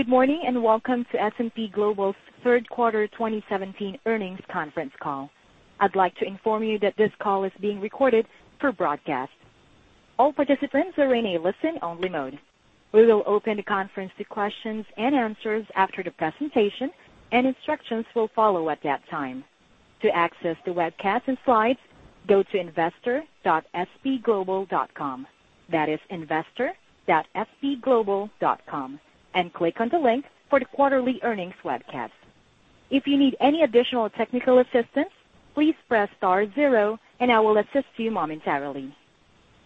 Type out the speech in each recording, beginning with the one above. Good morning, and welcome to S&P Global's third quarter 2017 earnings conference call. I'd like to inform you that this call is being recorded for broadcast. All participants are in a listen-only mode. We will open the conference to questions and answers after the presentation, and instructions will follow at that time. To access the webcast and slides, go to investor.spglobal.com. That is investor.spglobal.com, and click on the link for the quarterly earnings webcast. If you need any additional technical assistance, please press star zero and I will assist you momentarily.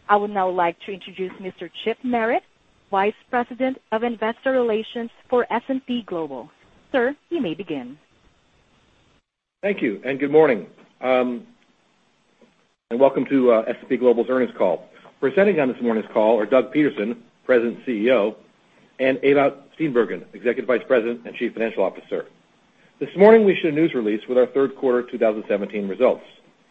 I would now like to introduce Mr. Chip Merritt, Vice President of Investor Relations for S&P Global. Sir, you may begin. Thank you, and good morning. Welcome to S&P Global's earnings call. Presenting on this morning's call are Doug Peterson, President and CEO, and Ewout Steenbergen, Executive Vice President and Chief Financial Officer. This morning we issued a news release with our third quarter 2017 results.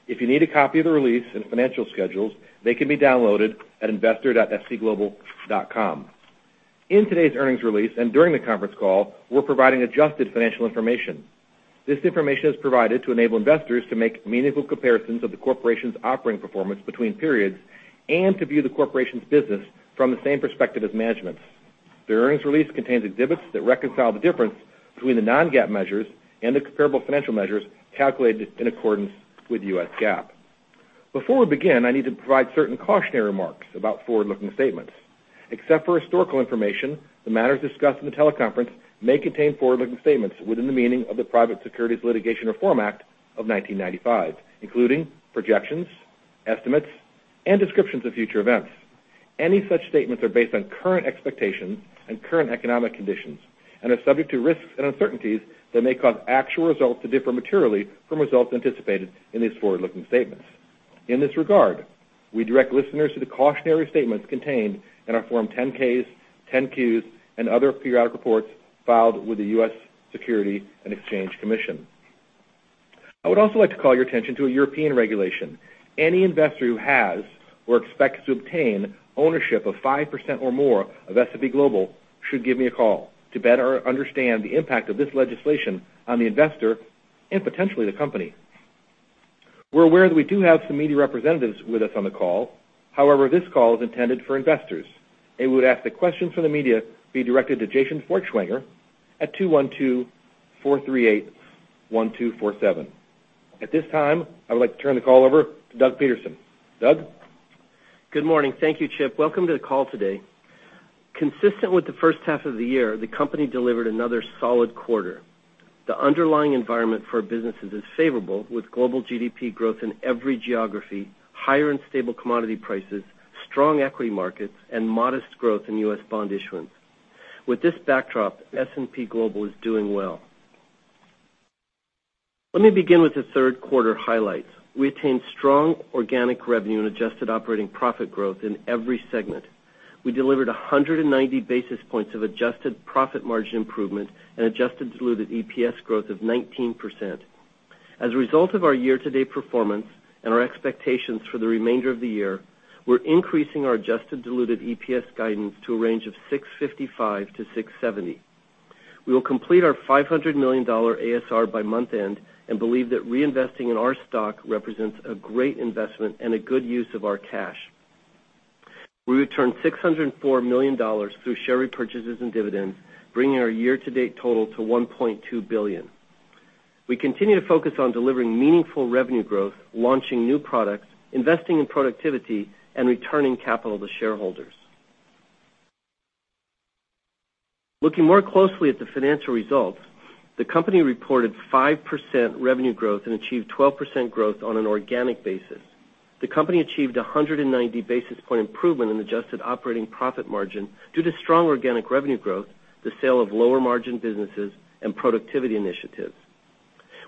If you need a copy of the release and financial schedules, they can be downloaded at investor.spglobal.com. In today's earnings release and during the conference call, we're providing adjusted financial information. This information is provided to enable investors to make meaningful comparisons of the corporation's operating performance between periods and to view the corporation's business from the same perspective as management. The earnings release contains exhibits that reconcile the difference between the non-GAAP measures and the comparable financial measures calculated in accordance with U.S. GAAP. Before we begin, I need to provide certain cautionary remarks about forward-looking statements. Except for historical information, the matters discussed in the teleconference may contain forward-looking statements within the meaning of the Private Securities Litigation Reform Act of 1995, including projections, estimates, and descriptions of future events. Any such statements are based on current expectations and current economic conditions and are subject to risks and uncertainties that may cause actual results to differ materially from results anticipated in these forward-looking statements. In this regard, we direct listeners to the cautionary statements contained in our Form 10-Ks, 10-Qs and other periodic reports filed with the U.S. Securities and Exchange Commission. I would also like to call your attention to a European regulation. Any investor who has or expects to obtain ownership of 5% or more of S&P Global should give me a call to better understand the impact of this legislation on the investor and potentially the company. We're aware that we do have some media representatives with us on the call. However, this call is intended for investors, and we would ask that questions from the media be directed to Jason Feuchtwanger at 212-438-1247. At this time, I would like to turn the call over to Doug Peterson. Doug? Good morning. Thank you, Chip. Welcome to the call today. Consistent with the first half of the year, the company delivered another solid quarter. The underlying environment for our businesses is favorable with global GDP growth in every geography, higher and stable commodity prices, strong equity markets, and modest growth in U.S. bond issuance. With this backdrop, S&P Global is doing well. Let me begin with the third quarter highlights. We attained strong organic revenue and adjusted operating profit growth in every segment. We delivered 190 basis points of adjusted profit margin improvement and adjusted diluted EPS growth of 19%. As a result of our year-to-date performance and our expectations for the remainder of the year, we're increasing our adjusted diluted EPS guidance to a range of $6.55-$6.70. We will complete our $500 million ASR by month-end and believe that reinvesting in our stock represents a great investment and a good use of our cash. We returned $604 million through share repurchases and dividends, bringing our year-to-date total to $1.2 billion. We continue to focus on delivering meaningful revenue growth, launching new products, investing in productivity, and returning capital to shareholders. Looking more closely at the financial results, the company reported 5% revenue growth and achieved 12% growth on an organic basis. The company achieved 190 basis point improvement in adjusted operating profit margin due to strong organic revenue growth, the sale of lower margin businesses, and productivity initiatives.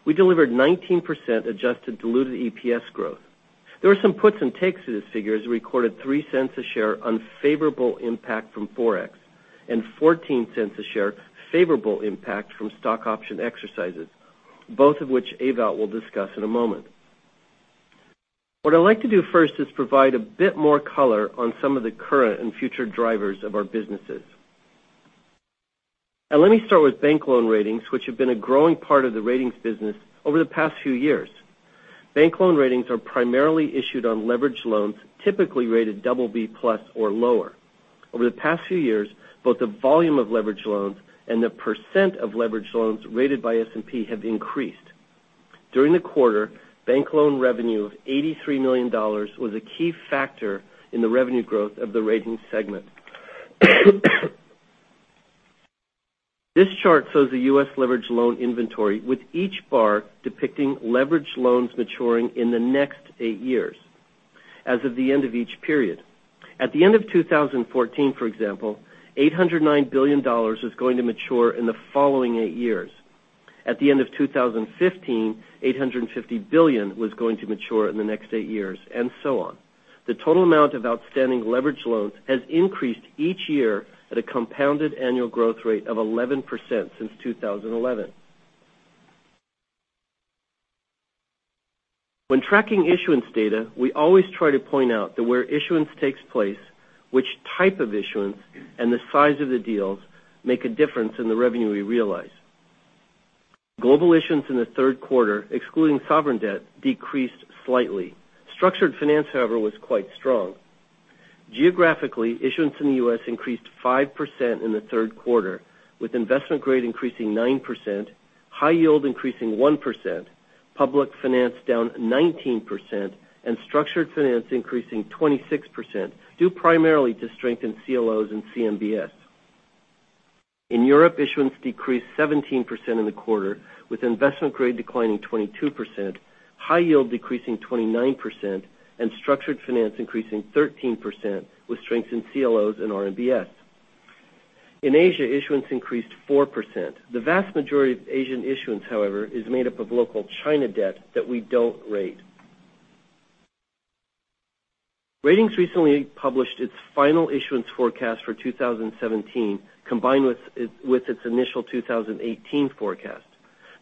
We delivered 19% adjusted diluted EPS growth. There were some puts and takes to this figure as we recorded $0.03 a share unfavorable impact from forex and $0.14 a share favorable impact from stock option exercises, both of which Ewout will discuss in a moment. What I'd like to do first is provide a bit more color on some of the current and future drivers of our businesses. Let me start with bank loan ratings, which have been a growing part of the Ratings business over the past few years. Bank loan ratings are primarily issued on leveraged loans, typically rated BB+ or lower. Over the past few years, both the volume of leveraged loans and the percent of leveraged loans rated by S&P have increased. During the quarter, bank loan revenue of $83 million was a key factor in the revenue growth of the Ratings segment. This chart shows the U.S. leveraged loan inventory, with each bar depicting leveraged loans maturing in the next eight years as of the end of each period. At the end of 2014, for example, $809 billion is going to mature in the following eight years. At the end of 2015, $850 billion was going to mature in the next eight years, and so on. The total amount of outstanding leveraged loans has increased each year at a compounded annual growth rate of 11% since 2011. When tracking issuance data, we always try to point out that where issuance takes place, which type of issuance, and the size of the deals make a difference in the revenue we realize. Global issuance in the third quarter, excluding sovereign debt, decreased slightly. Structured finance, however, was quite strong. Geographically, issuance in the U.S. increased 5% in the third quarter, with investment grade increasing 9%, high yield increasing 1%, public finance down 19%, and structured finance increasing 26%, due primarily to strength in CLOs and CMBS. In Europe, issuance decreased 17% in the quarter, with investment grade declining 22%, high yield decreasing 29%, and structured finance increasing 13%, with strength in CLOs and RMBS. In Asia, issuance increased 4%. The vast majority of Asian issuance, however, is made up of local China debt that we don't rate. Ratings recently published its final issuance forecast for 2017, combined with its initial 2018 forecast.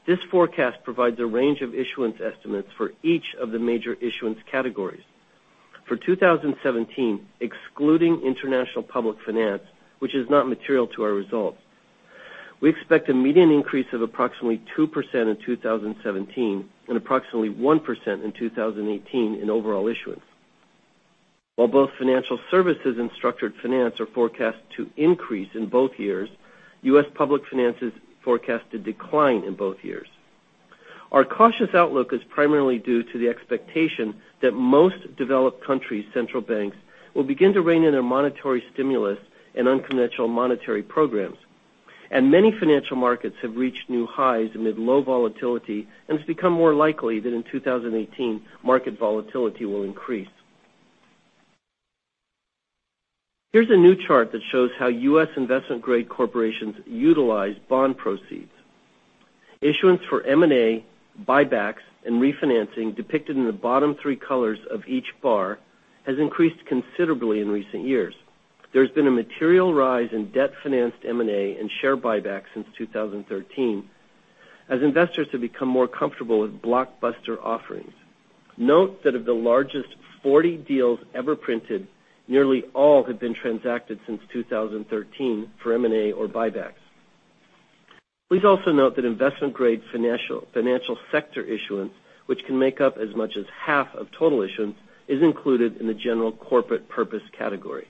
This forecast provides a range of issuance estimates for each of the major issuance categories. For 2017, excluding international public finance, which is not material to our results, we expect a median increase of approximately 2% in 2017 and approximately 1% in 2018 in overall issuance. While both financial services and structured finance are forecast to increase in both years, U.S. public finance is forecast to decline in both years. Our cautious outlook is primarily due to the expectation that most developed countries' central banks will begin to rein in their monetary stimulus and unconventional monetary programs. Many financial markets have reached new highs amid low volatility, it's become more likely that in 2018, market volatility will increase. Here's a new chart that shows how U.S. investment grade corporations utilize bond proceeds. Issuance for M&A, buybacks, and refinancing, depicted in the bottom three colors of each bar, has increased considerably in recent years. There's been a material rise in debt-financed M&A and share buybacks since 2013, as investors have become more comfortable with blockbuster offerings. Note that of the largest 40 deals ever printed, nearly all have been transacted since 2013 for M&A or buybacks. Please also note that investment-grade financial sector issuance, which can make up as much as half of total issuance, is included in the general corporate purpose category.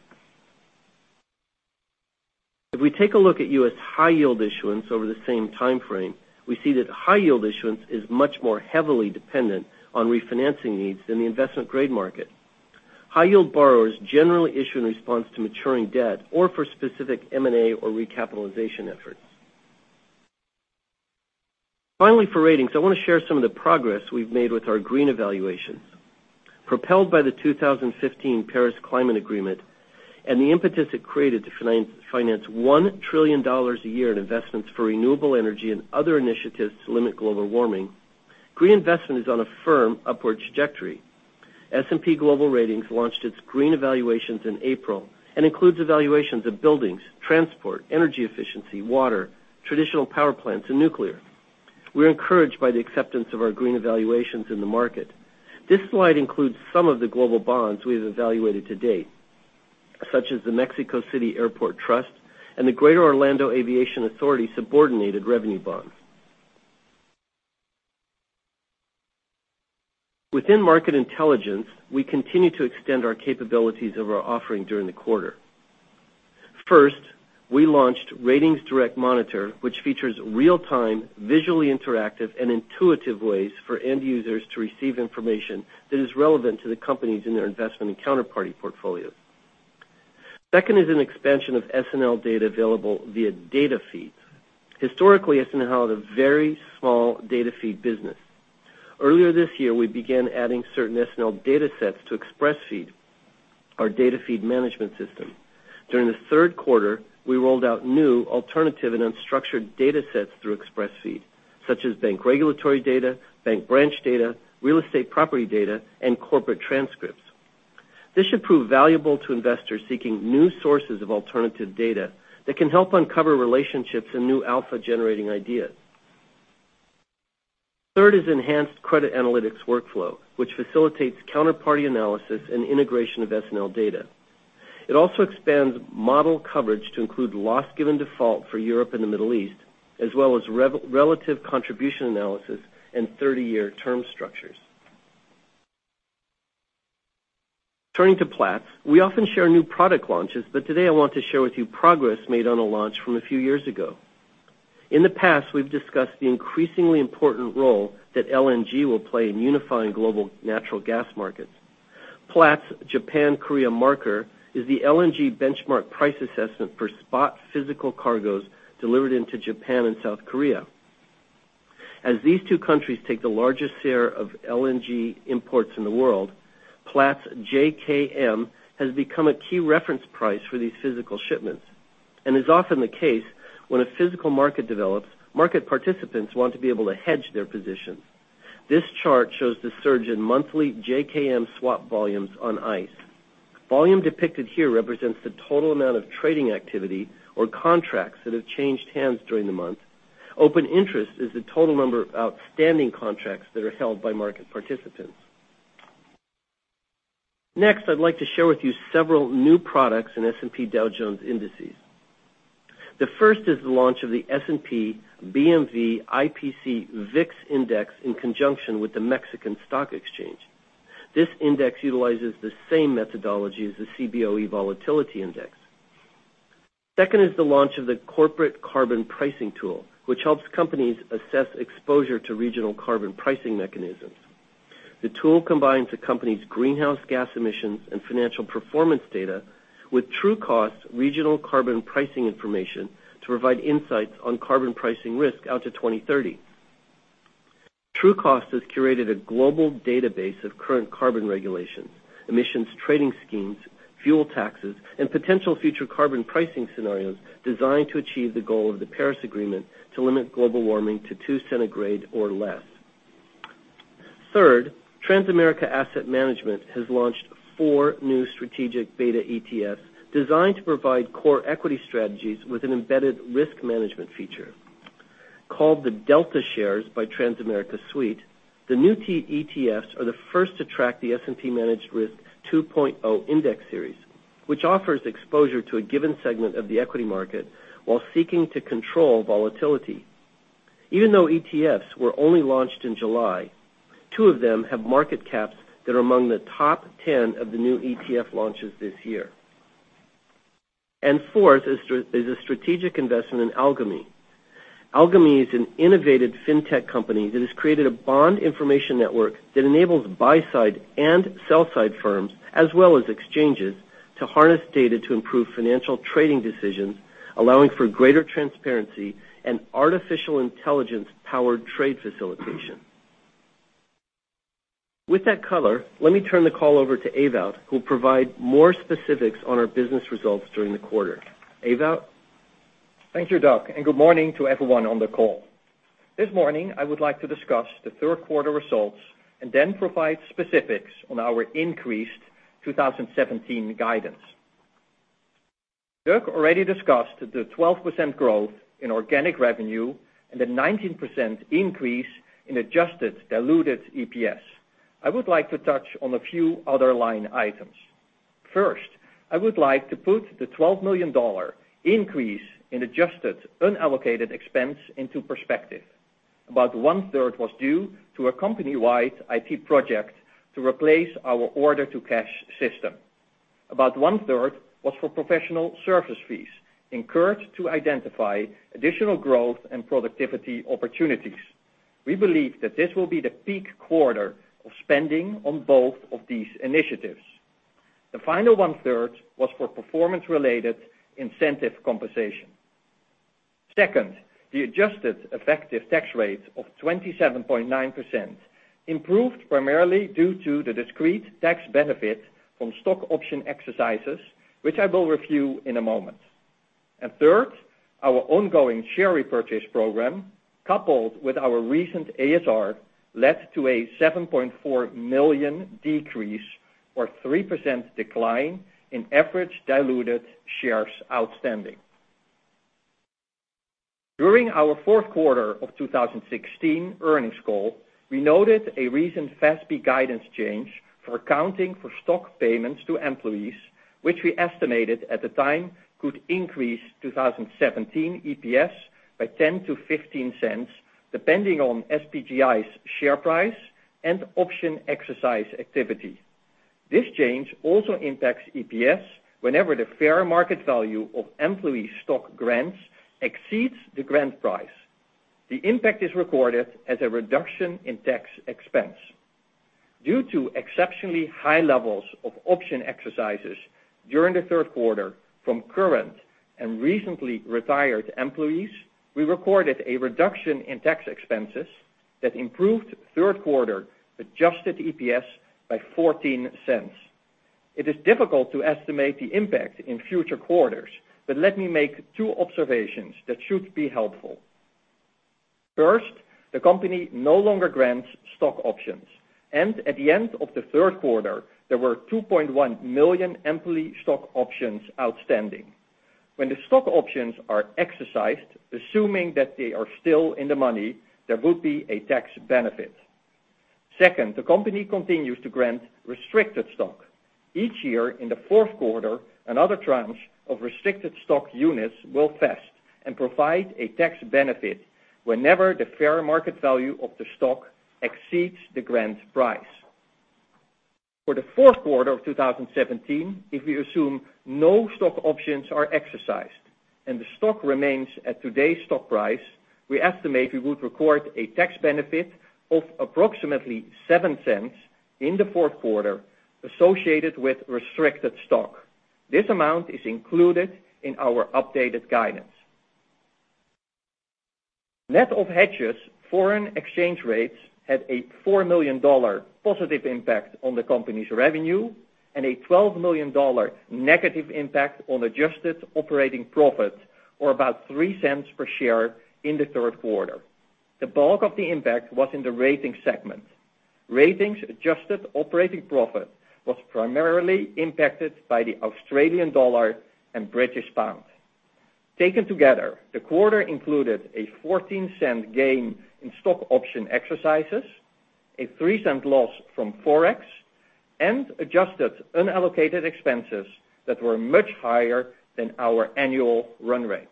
If we take a look at U.S. high yield issuance over the same timeframe, we see that high yield issuance is much more heavily dependent on refinancing needs than the investment grade market. High yield borrowers generally issue in response to maturing debt or for specific M&A or recapitalization efforts. Finally, for ratings, I want to share some of the progress we've made with our green evaluations. Propelled by the 2015 Paris Agreement and the impetus it created to finance $1 trillion a year in investments for renewable energy and other initiatives to limit global warming, green investment is on a firm upward trajectory. S&P Global Ratings launched its green evaluations in April and includes evaluations of buildings, transport, energy efficiency, water, traditional power plants, and nuclear. We're encouraged by the acceptance of our green evaluations in the market. This slide includes some of the global bonds we have evaluated to date, such as the Mexico City Airport Trust and the Greater Orlando Aviation Authority subordinated revenue bonds. Within Market Intelligence, we continue to extend our capabilities of our offering during the quarter. First, we launched RatingsDirect Monitor, which features real-time, visually interactive, and intuitive ways for end users to receive information that is relevant to the companies in their investment and counterparty portfolios. Second is an expansion of SNL data available via data feeds. Historically, SNL had a very small data feed business. Earlier this year, we began adding certain SNL datasets to Xpressfeed, our data feed management system. During the third quarter, we rolled out new alternative and unstructured datasets through Xpressfeed, such as bank regulatory data, bank branch data, real estate property data, and corporate transcripts. This should prove valuable to investors seeking new sources of alternative data that can help uncover relationships and new alpha-generating ideas. Third is enhanced credit analytics workflow, which facilitates counterparty analysis and integration of SNL data. It also expands model coverage to include loss given default for Europe and the Middle East, as well as relative contribution analysis and 30-year term structures. Turning to Platts, we often share new product launches, but today I want to share with you progress made on a launch from a few years ago. In the past, we've discussed the increasingly important role that LNG will play in unifying global natural gas markets. Platts Japan Korea Marker is the LNG benchmark price assessment for spot physical cargoes delivered into Japan and South Korea. As these two countries take the largest share of LNG imports in the world, Platts JKM has become a key reference price for these physical shipments. As often the case, when a physical market develops, market participants want to be able to hedge their positions. This chart shows the surge in monthly JKM swap volumes on ICE. Volume depicted here represents the total amount of trading activity or contracts that have changed hands during the month. Open interest is the total number of outstanding contracts that are held by market participants. Next, I'd like to share with you several new products in S&P Dow Jones Indices. The first is the launch of the S&P/BMV IPC VIX index in conjunction with the Mexican Stock Exchange. This index utilizes the same methodology as the Cboe Volatility Index. Second is the launch of the Corporate Carbon Pricing Tool, which helps companies assess exposure to regional carbon pricing mechanisms. The Tool combines a company's greenhouse gas emissions and financial performance data with Trucost regional carbon pricing information to provide insights on carbon pricing risk out to 2030. Trucost has curated a global database of current carbon regulations, emissions trading schemes, fuel taxes, and potential future carbon pricing scenarios designed to achieve the goal of the Paris Agreement to limit global warming to two centigrade or less. Third, Transamerica Asset Management has launched four new strategic beta ETFs designed to provide core equity strategies with an embedded risk management feature. Called the DeltaShares by Transamerica Suite, the new ETFs are the first to track the S&P Managed Risk 2.0 Index series, which offers exposure to a given segment of the equity market while seeking to control volatility. Even though ETFs were only launched in July, two of them have market caps that are among the top 10 of the new ETF launches this year. Fourth is a strategic investment in Algomi. Algomi is an innovative fintech company that has created a bond information network that enables buy-side and sell-side firms, as well as exchanges, to harness data to improve financial trading decisions, allowing for greater transparency and artificial intelligence-powered trade facilitation. With that color, let me turn the call over to Ewout, who'll provide more specifics on our business results during the quarter. Ewout? Thank you, Doug, and good morning to everyone on the call. This morning, I would like to discuss the third quarter results and then provide specifics on our increased 2017 guidance. Doug already discussed the 12% growth in organic revenue and the 19% increase in adjusted diluted EPS. I would like to touch on a few other line items. First, I would like to put the $12 million increase in adjusted unallocated expense into perspective. About one-third was due to a company-wide IT project to replace our order-to-cash system. About one-third was for professional service fees, incurred to identify additional growth and productivity opportunities. We believe that this will be the peak quarter of spending on both of these initiatives. The final one-third was for performance-related incentive compensation. Second, the adjusted effective tax rate of 27.9% improved primarily due to the discrete tax benefit from stock option exercises, which I will review in a moment. Third, our ongoing share repurchase program, coupled with our recent ASR, led to a 7.4 million decrease or 3% decline in average diluted shares outstanding. During our fourth quarter of 2016 earnings call, we noted a recent FASB guidance change for accounting for stock payments to employees, which we estimated at the time could increase 2017 EPS by $0.10 to $0.15, depending on SPGI's share price and option exercise activity. This change also impacts EPS whenever the fair market value of employee stock grants exceeds the grant price. The impact is recorded as a reduction in tax expense. Due to exceptionally high levels of option exercises during the third quarter from current and recently retired employees, we recorded a reduction in tax expenses that improved third quarter adjusted EPS by $0.14. It is difficult to estimate the impact in future quarters, but let me make two observations that should be helpful. First, the company no longer grants stock options, and at the end of the third quarter, there were 2.1 million employee stock options outstanding. When the stock options are exercised, assuming that they are still in the money, there would be a tax benefit. Second, the company continues to grant restricted stock. Each year in the fourth quarter, another tranche of restricted stock units will vest and provide a tax benefit whenever the fair market value of the stock exceeds the grant price. For the fourth quarter of 2017, if we assume no stock options are exercised and the stock remains at today's stock price, we estimate we would record a tax benefit of approximately $0.07 in the fourth quarter associated with restricted stock. This amount is included in our updated guidance. Net of hedges, foreign exchange rates had a $4 million positive impact on the company's revenue and a $12 million negative impact on adjusted operating profit, or about $0.03 per share in the third quarter. The bulk of the impact was in the Ratings segment. Ratings adjusted operating profit was primarily impacted by the Australian dollar and British pound. Taken together, the quarter included a $0.14 gain in stock option exercises, a $0.03 loss from Forex, and adjusted unallocated expenses that were much higher than our annual run rate.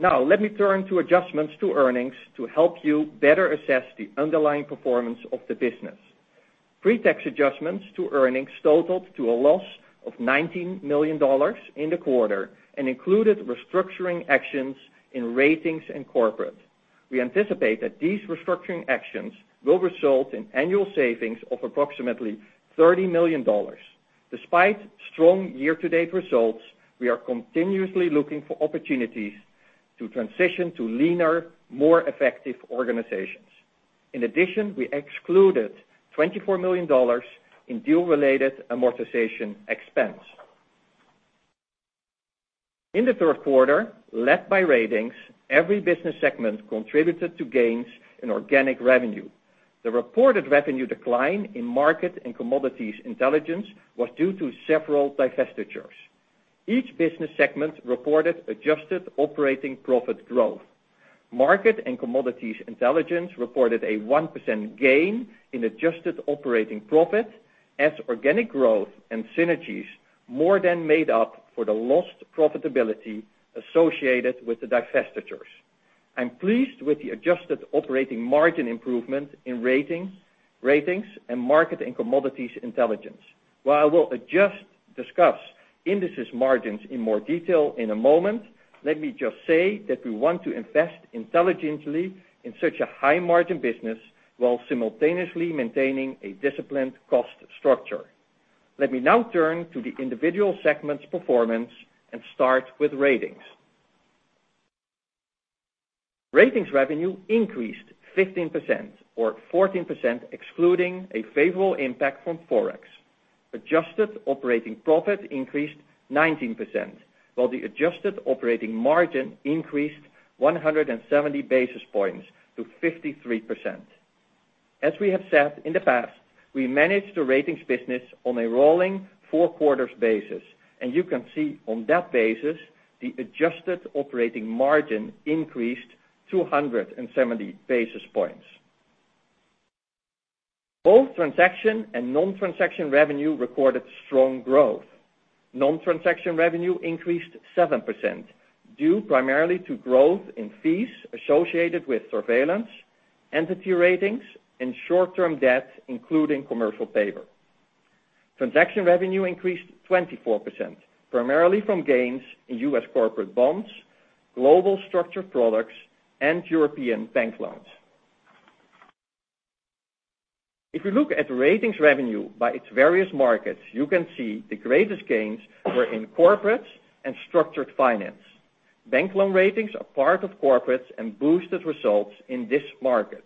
Now, let me turn to adjustments to earnings to help you better assess the underlying performance of the business. Pre-tax adjustments to earnings totaled to a loss of $19 million in the quarter and included restructuring actions in Ratings and corporate. We anticipate that these restructuring actions will result in annual savings of approximately $30 million. Despite strong year-to-date results, we are continuously looking for opportunities to transition to leaner, more effective organizations. In addition, we excluded $24 million in deal-related amortization expense. In the third quarter, led by Ratings, every business segment contributed to gains in organic revenue. The reported revenue decline in Market and Commodities Intelligence was due to several divestitures. Each business segment reported adjusted operating profit growth. Market and Commodities Intelligence reported a 1% gain in adjusted operating profit as organic growth and synergies more than made up for the lost profitability associated with the divestitures. I'm pleased with the adjusted operating margin improvement in Ratings and Market and Commodities Intelligence. While I will discuss Indices margins in more detail in a moment, let me just say that we want to invest intelligently in such a high margin business while simultaneously maintaining a disciplined cost structure. Let me now turn to the individual segments performance and start with Ratings. Ratings revenue increased 15%, or 14%, excluding a favorable impact from Forex. Adjusted operating profit increased 19%, while the adjusted operating margin increased 170 basis points to 53%. As we have said in the past, we managed the Ratings business on a rolling four quarters basis, and you can see on that basis the adjusted operating margin increased 270 basis points. Both transaction and non-transaction revenue recorded strong growth. Non-transaction revenue increased 7%, due primarily to growth in fees associated with surveillance, entity ratings, and short-term debt, including commercial paper. Transaction revenue increased 24%, primarily from gains in U.S. corporate bonds, global structured products, and European bank loans. If you look at Ratings revenue by its various markets, you can see the greatest gains were in Corporates and Structured Finance. Bank loan ratings are part of Corporates and boosted results in this market.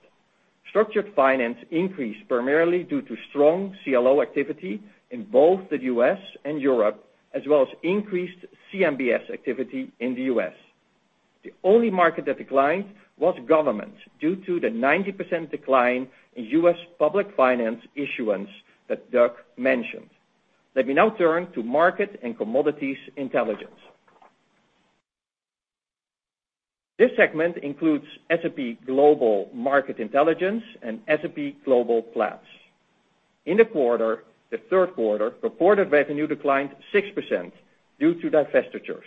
Structured Finance increased primarily due to strong CLO activity in both the U.S. and Europe, as well as increased CMBS activity in the U.S. The only market that declined was Government due to the 90% decline in U.S. public finance issuance that Doug mentioned. Let me now turn to Market and Commodities Intelligence. This segment includes S&P Global Market Intelligence and S&P Global Platts. In the third quarter, reported revenue declined 6% due to divestitures.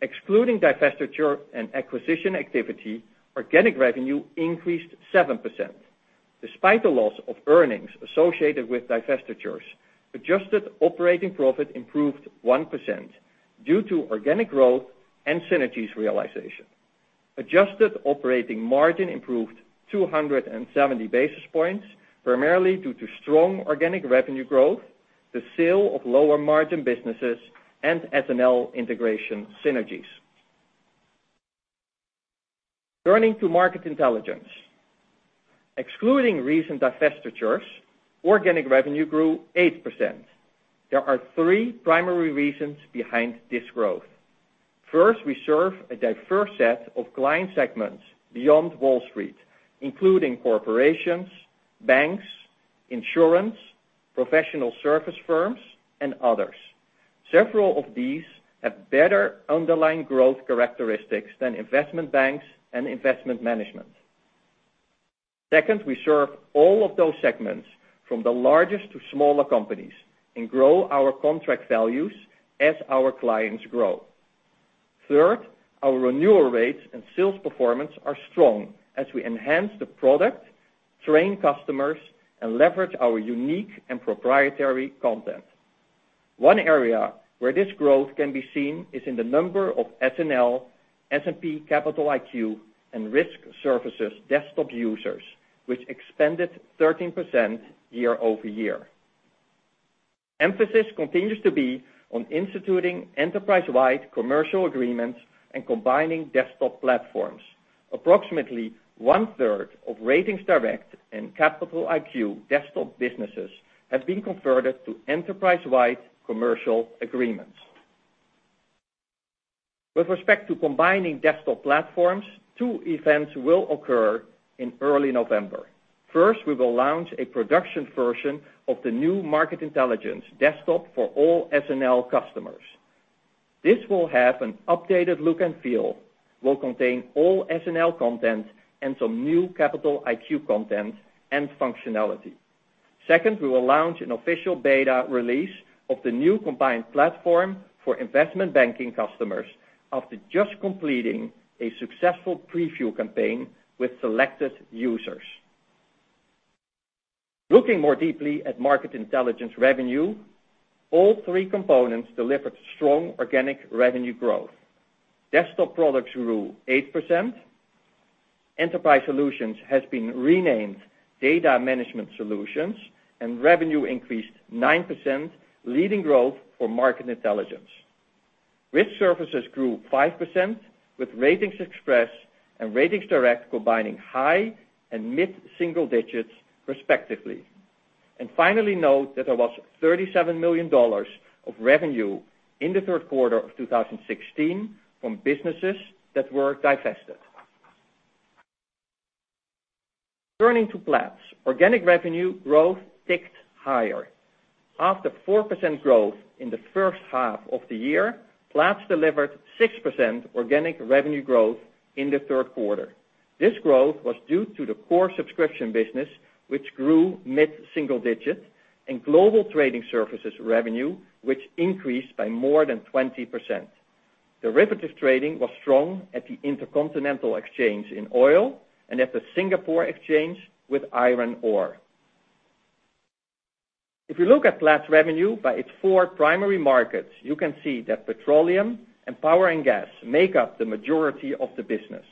Excluding divestiture and acquisition activity, organic revenue increased 7%. Despite a loss of earnings associated with divestitures, adjusted operating profit improved 1% due to organic growth and synergies realization. Adjusted operating margin improved 270 basis points, primarily due to strong organic revenue growth, the sale of lower margin businesses, and SNL integration synergies. Turning to Market Intelligence. Excluding recent divestitures, organic revenue grew 8%. There are three primary reasons behind this growth. First, we serve a diverse set of client segments beyond Wall Street including corporations, banks, insurance, professional service firms, and others. Several of these have better underlying growth characteristics than investment banks and investment management. Second, we serve all of those segments from the largest to smaller companies and grow our contract values as our clients grow. Third, our renewal rates and sales performance are strong as we enhance the product, train customers, and leverage our unique and proprietary content. One area where this growth can be seen is in the number of SNL, S&P Capital IQ, and Risk Services desktop users, which expanded 13% year-over-year. Emphasis continues to be on instituting enterprise-wide commercial agreements and combining desktop platforms. Approximately one-third of RatingsDirect and Capital IQ desktop businesses have been converted to enterprise-wide commercial agreements. With respect to combining desktop platforms, two events will occur in early November. First, we will launch a production version of the new Market Intelligence desktop for all SNL customers. This will have an updated look and feel, will contain all SNL content, and some new Capital IQ content and functionality. Second, we will launch an official beta release of the new combined platform for investment banking customers after just completing a successful preview campaign with selected users. Looking more deeply at Market Intelligence revenue, all three components delivered strong organic revenue growth. Desktop products grew 8%. Enterprise Solutions has been renamed Data Management Solutions, and revenue increased 9%, leading growth for Market Intelligence. Risk Services grew 5%, with RatingsXpress and RatingsDirect combining high and mid-single digits respectively. Finally, note that there was $37 million of revenue in the third quarter of 2016 from businesses that were divested. Turning to Platts. Organic revenue growth ticked higher. After 4% growth in the first half of the year, Platts delivered 6% organic revenue growth in the third quarter. This growth was due to the core subscription business, which grew mid-single digit, and Global Trading Services revenue, which increased by more than 20%. Derivative trading was strong at the Intercontinental Exchange in oil and at the Singapore Exchange with iron ore. If you look at Platts' revenue by its four primary markets, you can see that petroleum and power and gas make up the majority of the business.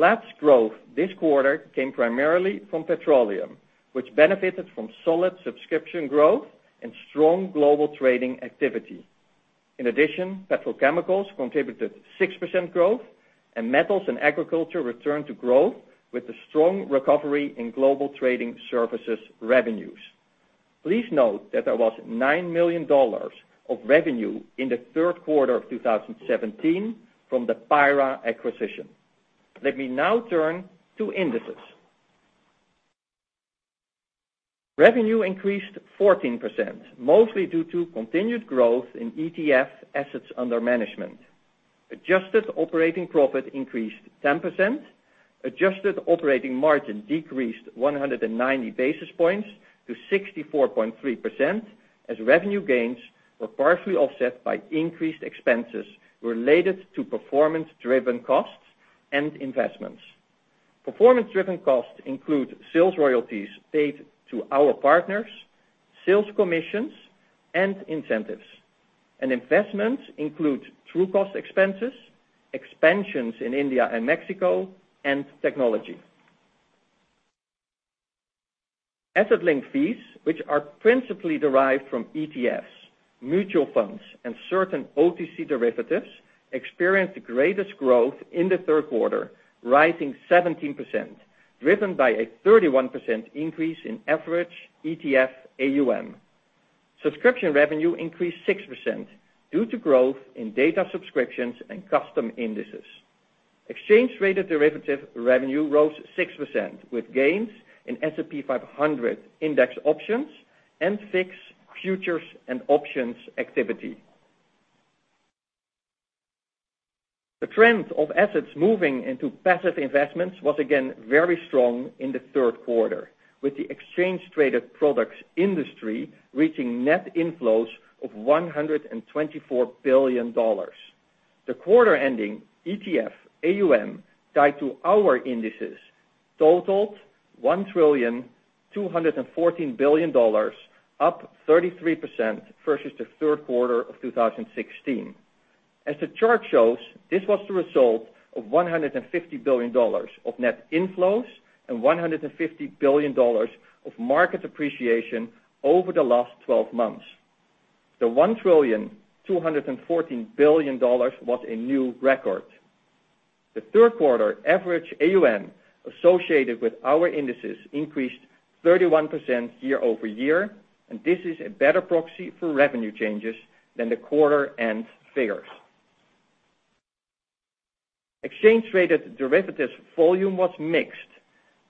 Platts' growth this quarter came primarily from petroleum, which benefited from solid subscription growth and strong Global Trading Services activity. In addition, petrochemicals contributed 6% growth, and metals and agriculture returned to growth with the strong recovery in Global Trading Services revenues. Please note that there was $9 million of revenue in the third quarter of 2017 from the PIRA acquisition. Let me now turn to indices. Revenue increased 14%, mostly due to continued growth in ETF assets under management. Adjusted operating profit increased 10%. Adjusted operating margin decreased 190 basis points to 64.3% as revenue gains were partially offset by increased expenses related to performance-driven costs and investments. Performance-driven costs include sales royalties paid to our partners, sales commissions, and incentives. Investments include Trucost expenses, expansions in India and Mexico, and technology. Asset-linked fees, which are principally derived from ETFs, mutual funds, and certain OTC derivatives, experienced the greatest growth in the third quarter, rising 17%, driven by a 31% increase in average ETF AUM. Subscription revenue increased 6% due to growth in data subscriptions and custom indices. Exchange-traded derivative revenue rose 6%, with gains in S&P 500 index options and VIX futures and options activity. The trend of assets moving into passive investments was again very strong in the third quarter, with the exchange-traded products industry reaching net inflows of $124 billion. The quarter-ending ETF AUM tied to our indices totaled $1.214 trillion, up 33% versus the third quarter of 2016. As the chart shows, this was the result of $150 billion of net inflows and $150 billion of market appreciation over the last 12 months. The $1.214 trillion was a new record. The third quarter average AUM associated with our indices increased 31% year-over-year, and this is a better proxy for revenue changes than the quarter-end figures. Exchange-traded derivatives volume was mixed.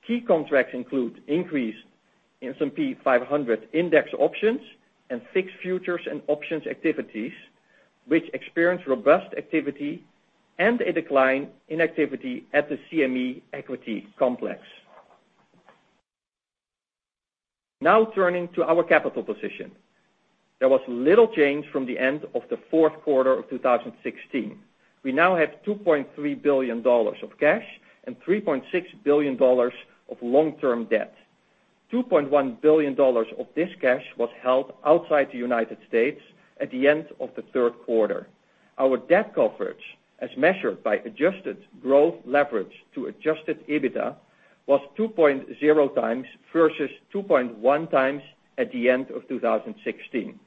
Key contracts include increase in S&P 500 index options and VIX futures and options activities, which experienced robust activity and a decline in activity at the CME equity complex. Turning to our capital position. There was little change from the end of the fourth quarter of 2016. We now have $2.3 billion of cash and $3.6 billion of long-term debt. $2.1 billion of this cash was held outside the U.S. at the end of the third quarter. Our debt coverage, as measured by adjusted gross leverage to adjusted EBITDA, was 2.0 times versus 2.1 times at the end of 2016.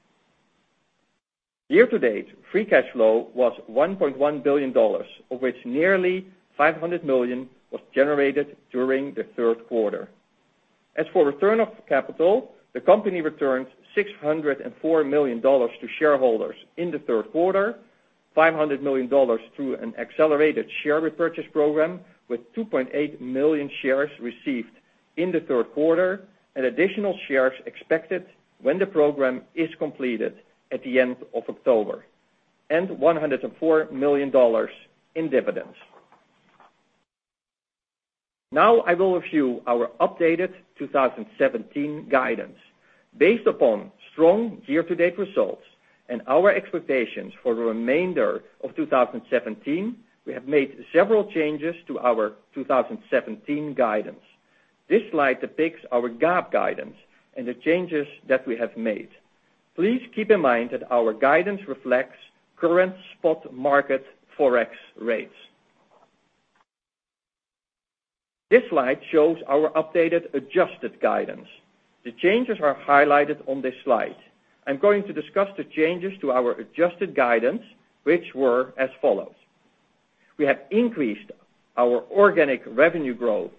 Year-to-date, free cash flow was $1.1 billion, of which nearly $500 million was generated during the third quarter. As for return of capital, the company returned $604 million to shareholders in the third quarter, $500 million through an accelerated share repurchase program with 2.8 million shares received in the third quarter and additional shares expected when the program is completed at the end of October, and $104 million in dividends. I will review our updated 2017 guidance. Based upon strong year-to-date results and our expectations for the remainder of 2017, we have made several changes to our 2017 guidance. This slide depicts our GAAP guidance and the changes that we have made. Please keep in mind that our guidance reflects current spot market Forex rates. This slide shows our updated, adjusted guidance. The changes are highlighted on this slide. I'm going to discuss the changes to our adjusted guidance, which were as follows. We have increased our organic revenue growth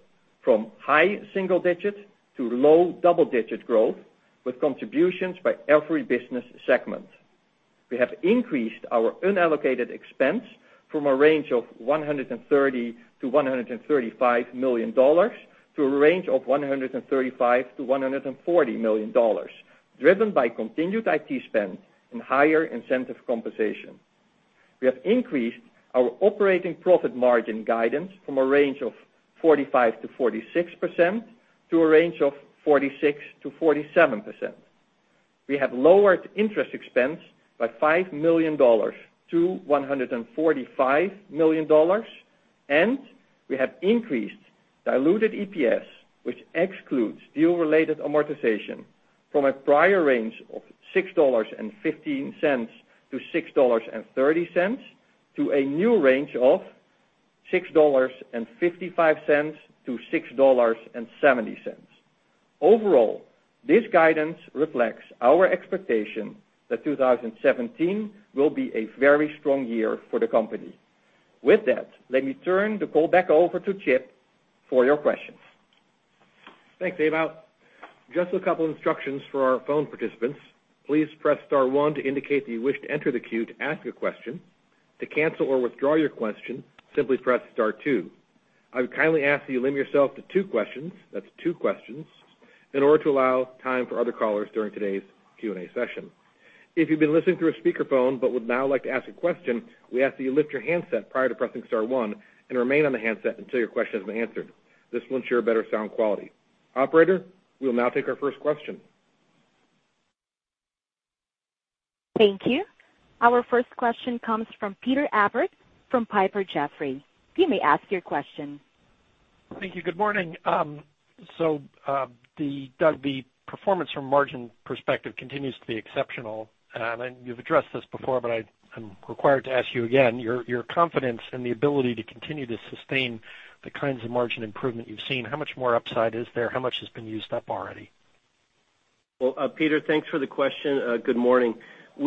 from high single digits to low double-digit growth, with contributions by every business segment. We have increased our unallocated expense from a range of $130 million-$135 million, to a range of $135 million-$140 million, driven by continued IT spend and higher incentive compensation. We have increased our operating profit margin guidance from a range of 45%-46%, to a range of 46%-47%. We have lowered interest expense by $5 million to $145 million, and we have increased diluted EPS, which excludes deal-related amortization, from a prior range of $6.15 to $6.30, to a new range of $6.55 to $6.70. Overall, this guidance reflects our expectation that 2017 will be a very strong year for the company. With that, let me turn the call back over to Chip for your questions. Thanks, Ewout. Just a couple instructions for our phone participants. Please press star one to indicate that you wish to enter the queue to ask a question. To cancel or withdraw your question, simply press star two. I would kindly ask that you limit yourself to two questions. That's two questions, in order to allow time for other callers during today's Q&A session. If you've been listening through a speakerphone but would now like to ask a question, we ask that you lift your handset prior to pressing star one and remain on the handset until your question has been answered. This will ensure better sound quality. Operator, we will now take our first question. Thank you. Our first question comes from Peter Appert from Piper Jaffray. You may ask your question. Thank you. Good morning. Doug, the performance from a margin perspective continues to be exceptional. You've addressed this before, but I'm required to ask you again. Your confidence in the ability to continue to sustain the kinds of margin improvement you've seen, how much more upside is there? How much has been used up already? Well, Peter, thanks for the question. Good morning. At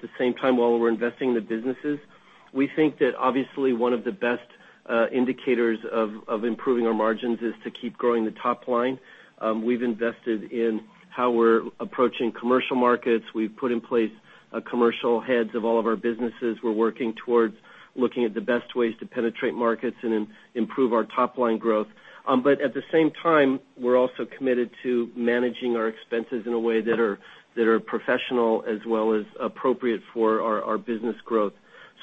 the same time, while we're investing in the businesses. We think that obviously one of the best indicators of improving our margins is to keep growing the top line. We've invested in how we're approaching commercial markets. We've put in place commercial heads of all of our businesses. We're working towards looking at the best ways to penetrate markets and improve our top-line growth. At the same time, we're also committed to managing our expenses in a way that are professional as well as appropriate for our business growth.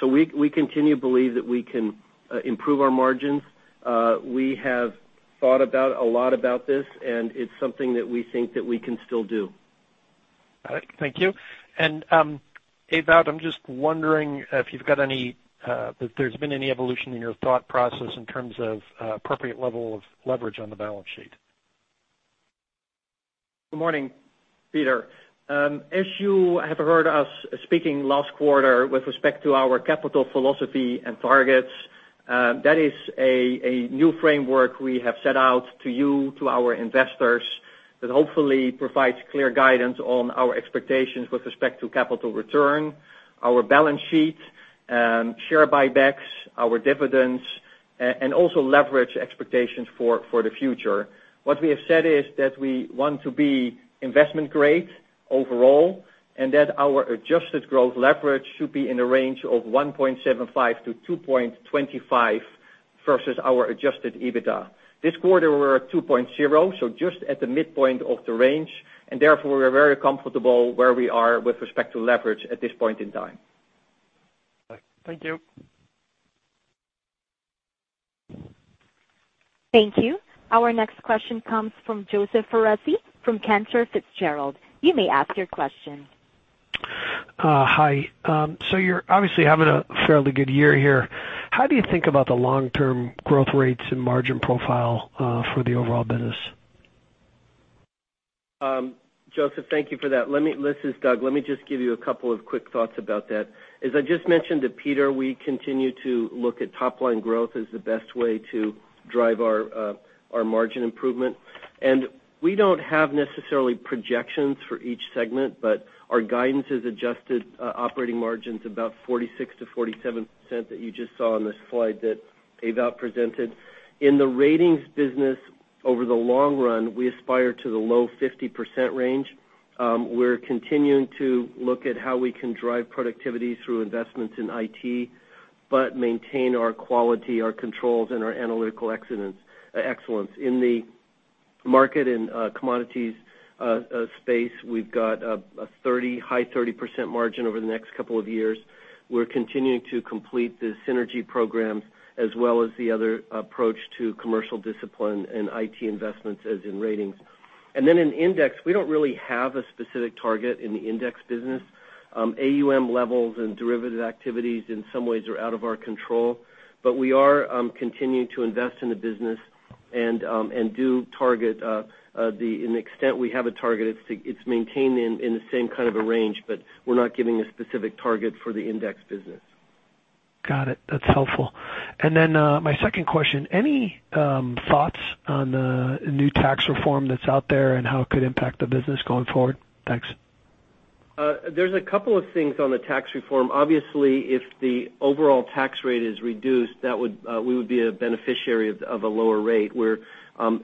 We continue to believe that we can improve our margins. We have thought a lot about this, and it's something that we think that we can still do. Got it. Thank you. Ewout, I'm just wondering if there's been any evolution in your thought process in terms of appropriate level of leverage on the balance sheet. Good morning, Peter. As you have heard us speaking last quarter with respect to our capital philosophy and targets, that is a new framework we have set out to you, to our investors, that hopefully provides clear guidance on our expectations with respect to capital return, our balance sheet, share buybacks, our dividends, and also leverage expectations for the future. What we have said is that we want to be investment grade overall, and that our adjusted gross leverage should be in the range of 1.75 to 2.25 versus our adjusted EBITDA. This quarter, we're at 2.0, just at the midpoint of the range, and therefore, we're very comfortable where we are with respect to leverage at this point in time. Thank you. Thank you. Our next question comes from Joseph Foresi from Cantor Fitzgerald. You may ask your question. Hi. You're obviously having a fairly good year here. How do you think about the long-term growth rates and margin profile for the overall business? Joseph, thank you for that. This is Doug. Let me just give you a couple of quick thoughts about that. As I just mentioned to Peter, we continue to look at top-line growth as the best way to drive our margin improvement. We don't have necessarily projections for each segment, but our guidance is adjusted operating margins about 46%-47% that you just saw on the slide that Ewout presented. In the ratings business, over the long run, we aspire to the low 50% range. We're continuing to look at how we can drive productivity through investments in IT, but maintain our quality, our controls, and our analytical excellence. In the market and commodities space, we've got a high 30% margin over the next couple of years. We're continuing to complete the synergy programs, as well as the other approach to commercial discipline and IT investments as in ratings. In index, we don't really have a specific target in the index business. AUM levels and derivative activities in some ways are out of our control. We are continuing to invest in the business and do target. In extent we have a target, it's maintained in the same kind of a range, but we're not giving a specific target for the index business. Got it. That's helpful. My second question, any thoughts on the new tax reform that's out there and how it could impact the business going forward? Thanks. There's a couple of things on the tax reform. Obviously, if the overall tax rate is reduced, we would be a beneficiary of a lower rate, where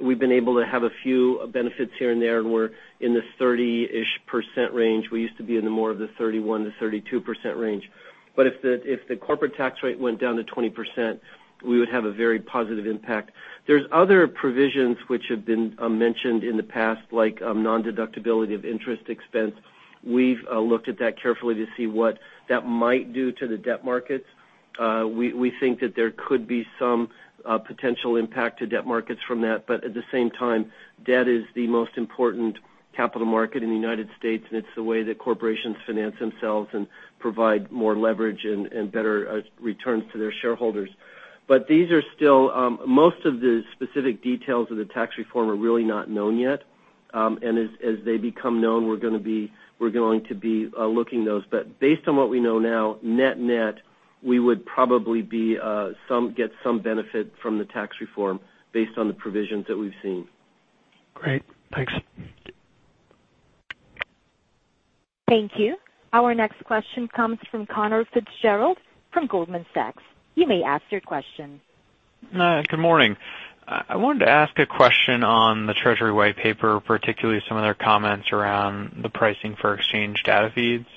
we've been able to have a few benefits here and there, and we're in this 30-ish% range. We used to be in the more of the 31%-32% range. If the corporate tax rate went down to 20%, we would have a very positive impact. There's other provisions which have been mentioned in the past, like non-deductibility of interest expense. We've looked at that carefully to see what that might do to the debt markets. We think that there could be some potential impact to debt markets from that, at the same time, debt is the most important capital market in the U.S., and it's the way that corporations finance themselves and provide more leverage and better returns to their shareholders. Most of the specific details of the tax reform are really not known yet. As they become known, we're going to be looking those. Based on what we know now, net, we would probably get some benefit from the tax reform based on the provisions that we've seen. Great. Thanks. Thank you. Our next question comes from Conor Fitzgerald from Goldman Sachs. You may ask your question. Good morning. I wanted to ask a question on the Treasury white paper, particularly some of their comments around the pricing for exchange data feeds.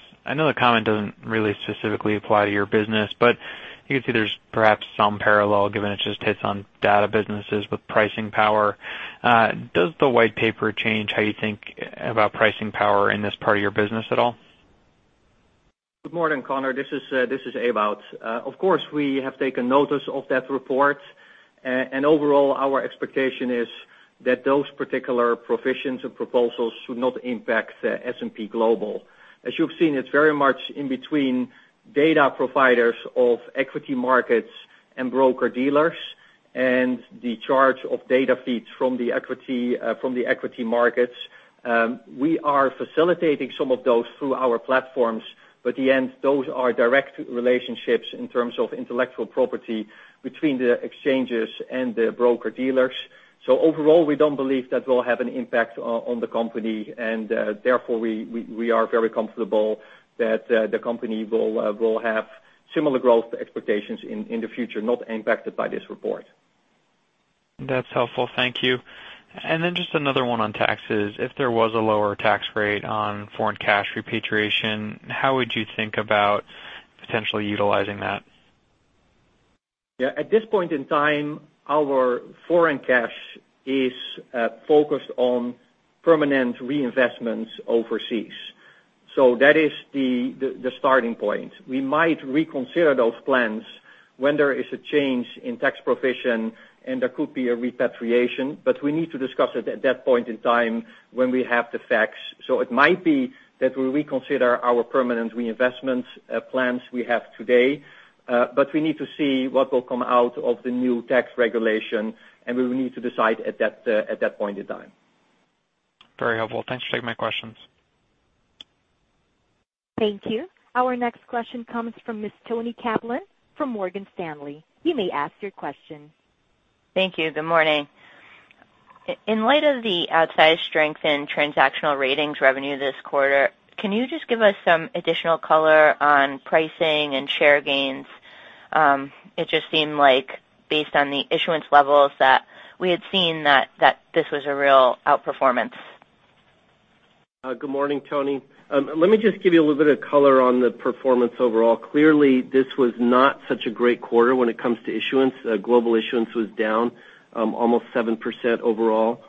You can see there's perhaps some parallel given it just hits on data businesses with pricing power. Does the white paper change how you think about pricing power in this part of your business at all? Good morning, Conor. This is Ewout. Of course, we have taken notice of that report. Overall, our expectation is that those particular provisions and proposals should not impact S&P Global. As you've seen, it's very much in between data providers of equity markets and broker-dealers and the charge of data feeds from the equity markets. We are facilitating some of those through our platforms, at the end, those are direct relationships in terms of intellectual property between the exchanges and the broker-dealers. Overall, we don't believe that will have an impact on the company, and therefore, we are very comfortable that the company will have similar growth expectations in the future, not impacted by this report. That's helpful. Thank you. Then just another one on taxes. If there was a lower tax rate on foreign cash repatriation, how would you think about potentially utilizing that? Yeah. At this point in time, our foreign cash is focused on permanent reinvestments overseas. That is the starting point. We might reconsider those plans when there is a change in tax provision, and there could be a repatriation, but we need to discuss it at that point in time when we have the facts. It might be that we reconsider our permanent reinvestment plans we have today, but we need to see what will come out of the new tax regulation, and we will need to decide at that point in time. Very helpful. Thanks for taking my questions. Thank you. Our next question comes from Ms. Toni Kaplan from Morgan Stanley. You may ask your question. Thank you. Good morning. In light of the outsized strength in transactional ratings revenue this quarter, can you just give us some additional color on pricing and share gains? It just seemed like based on the issuance levels that we had seen that this was a real outperformance. Good morning, Toni. Let me just give you a little bit of color on the performance overall. Clearly, this was not such a great quarter when it comes to issuance. Global issuance was down almost 7% overall.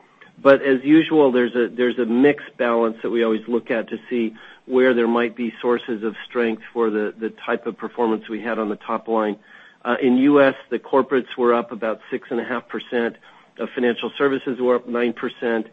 As usual, there's a mixed balance that we always look at to see where there might be sources of strength for the type of performance we had on the top line. In U.S., the corporates were up about 6.5%. Financial services were up 9%.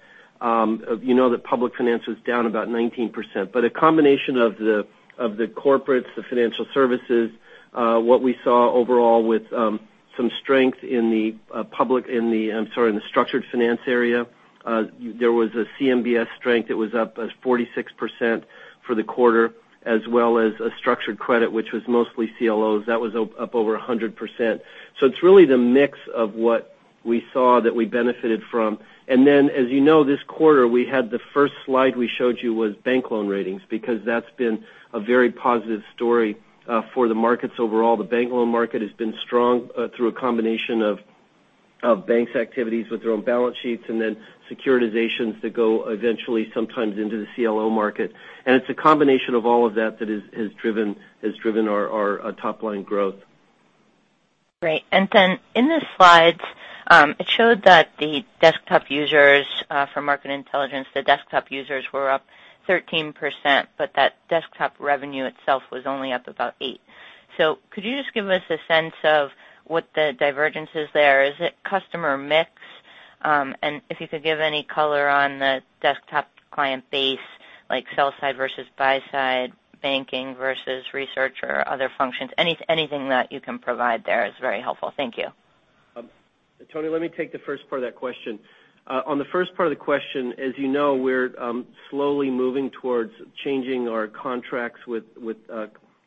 You know that public finance was down about 19%. A combination of the corporates, the financial services, what we saw overall with some strength in the structured finance area There was a CMBS strength that was up as 46% for the quarter, as well as a structured credit, which was mostly CLOs. That was up over 100%. It's really the mix of what we saw that we benefited from. As you know, this quarter, the first slide we showed you was bank loan ratings, because that's been a very positive story for the markets overall. The bank loan market has been strong through a combination of banks' activities with their own balance sheets and then securitizations that go eventually sometimes into the CLO market. It's a combination of all of that that has driven our top-line growth. Great. In the slides, it showed that the desktop users for S&P Global Market Intelligence, the desktop users were up 13%, but that desktop revenue itself was only up about 8%. Could you just give us a sense of what the divergence is there? Is it customer mix? If you could give any color on the desktop client base, like sell side versus buy side, banking versus research or other functions. Anything that you can provide there is very helpful. Thank you. Toni, let me take the first part of that question. On the first part of the question, as you know, we're slowly moving towards changing our contracts with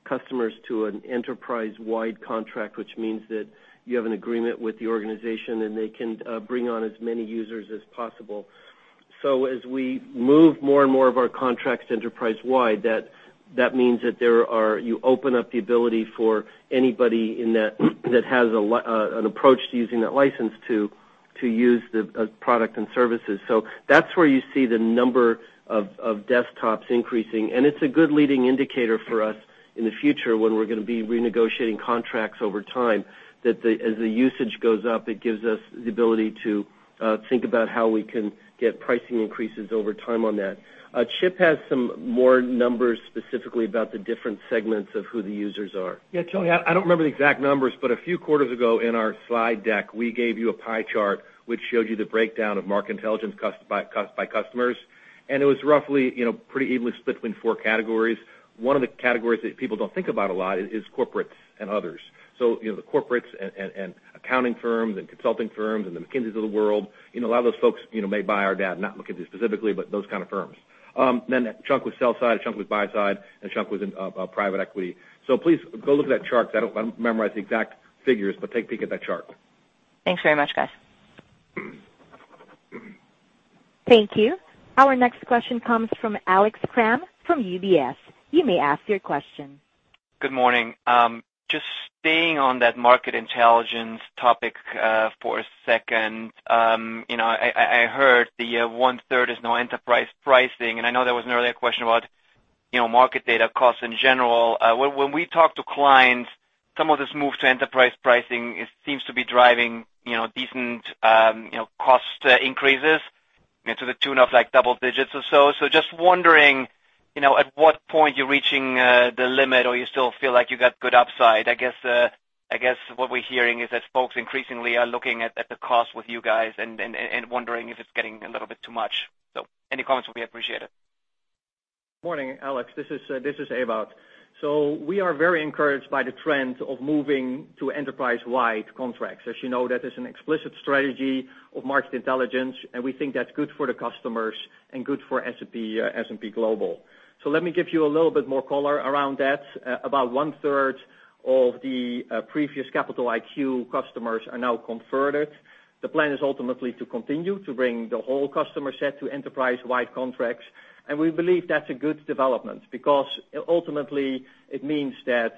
customers to an enterprise-wide contract, which means that you have an agreement with the organization, and they can bring on as many users as possible. As we move more and more of our contracts enterprise-wide, that means that you open up the ability for anybody that has an approach to using that license to use the product and services. That's where you see the number of desktops increasing. It's a good leading indicator for us in the future when we're going to be renegotiating contracts over time, that as the usage goes up, it gives us the ability to think about how we can get pricing increases over time on that. Chip Merritt has some more numbers specifically about the different segments of who the users are. Yeah, Toni, I don't remember the exact numbers, but a few quarters ago in our slide deck, we gave you a pie chart which showed you the breakdown of Market Intelligence by customers. It was roughly pretty evenly split between 4 categories. 1 of the categories that people don't think about a lot is corporates and others. The corporates and accounting firms and consulting firms and the McKinseys of the world. A lot of those folks may buy our data, not McKinsey specifically, but those kind of firms. A chunk was sell side, a chunk was buy side, and a chunk was in private equity. Please go look at that chart, because I don't memorize the exact figures, but take a peek at that chart. Thanks very much, guys. Thank you. Our next question comes from Alex Kramm from UBS. You may ask your question. Good morning. Just staying on that Market Intelligence topic for a second. I heard the one-third is now enterprise pricing, and I know there was an earlier question about market data costs in general. When we talk to clients, some of this move to enterprise pricing, it seems to be driving decent cost increases to the tune of double digits or so. Just wondering at what point you're reaching the limit, or you still feel like you got good upside. I guess what we're hearing is that folks increasingly are looking at the cost with you guys and wondering if it's getting a little bit too much. Any comments will be appreciated. Morning, Alex. This is Ewout. We are very encouraged by the trend of moving to enterprise-wide contracts. As you know, that is an explicit strategy of Market Intelligence, and we think that's good for the customers and good for S&P Global. Let me give you a little bit more color around that. About one-third of the previous Capital IQ customers are now converted. The plan is ultimately to continue to bring the whole customer set to enterprise-wide contracts. We believe that's a good development because ultimately it means that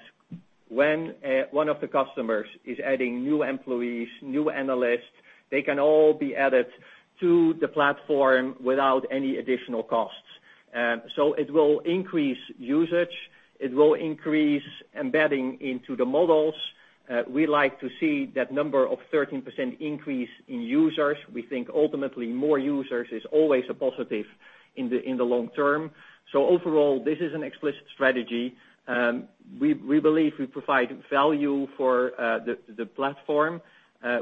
when one of the customers is adding new employees, new analysts, they can all be added to the platform without any additional costs. It will increase usage. It will increase embedding into the models. We like to see that number of 13% increase in users. We think ultimately more users is always a positive in the long term. Overall, this is an explicit strategy. We believe we provide value for the platform.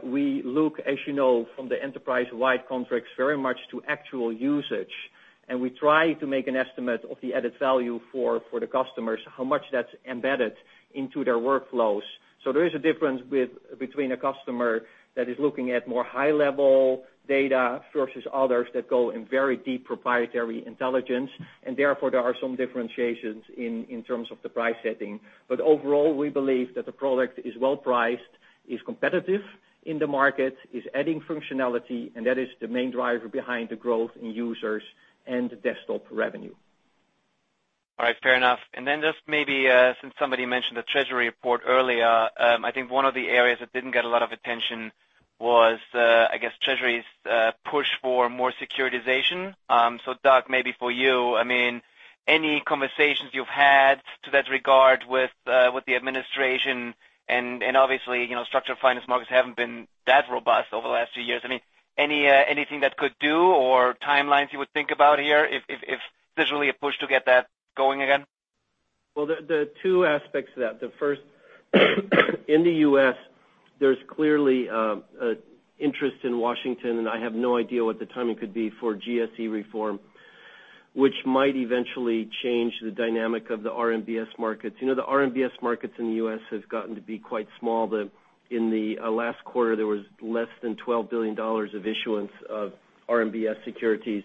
We look, as you know, from the enterprise-wide contracts very much to actual usage, and we try to make an estimate of the added value for the customers, how much that's embedded into their workflows. There is a difference between a customer that is looking at more high-level data versus others that go in very deep proprietary intelligence, and therefore, there are some differentiations in terms of the price setting. Overall, we believe that the product is well-priced, is competitive in the market, is adding functionality, and that is the main driver behind the growth in users and desktop revenue. All right. Fair enough. Just maybe since somebody mentioned the Treasury report earlier, I think one of the areas that didn't get a lot of attention was, I guess, Treasury's push for more securitization. Doug, maybe for you, any conversations you've had to that regard with the administration and obviously, structured finance markets haven't been that robust over the last few years. Anything that could do or timelines you would think about here if there's really a push to get that going again? Well, there are two aspects to that. The first, in the U.S., there's clearly interest in Washington, and I have no idea what the timing could be for GSE reform. Which might eventually change the dynamic of the RMBS markets. The RMBS markets in the U.S. have gotten to be quite small. In the last quarter, there was less than $12 billion of issuance of RMBS securities.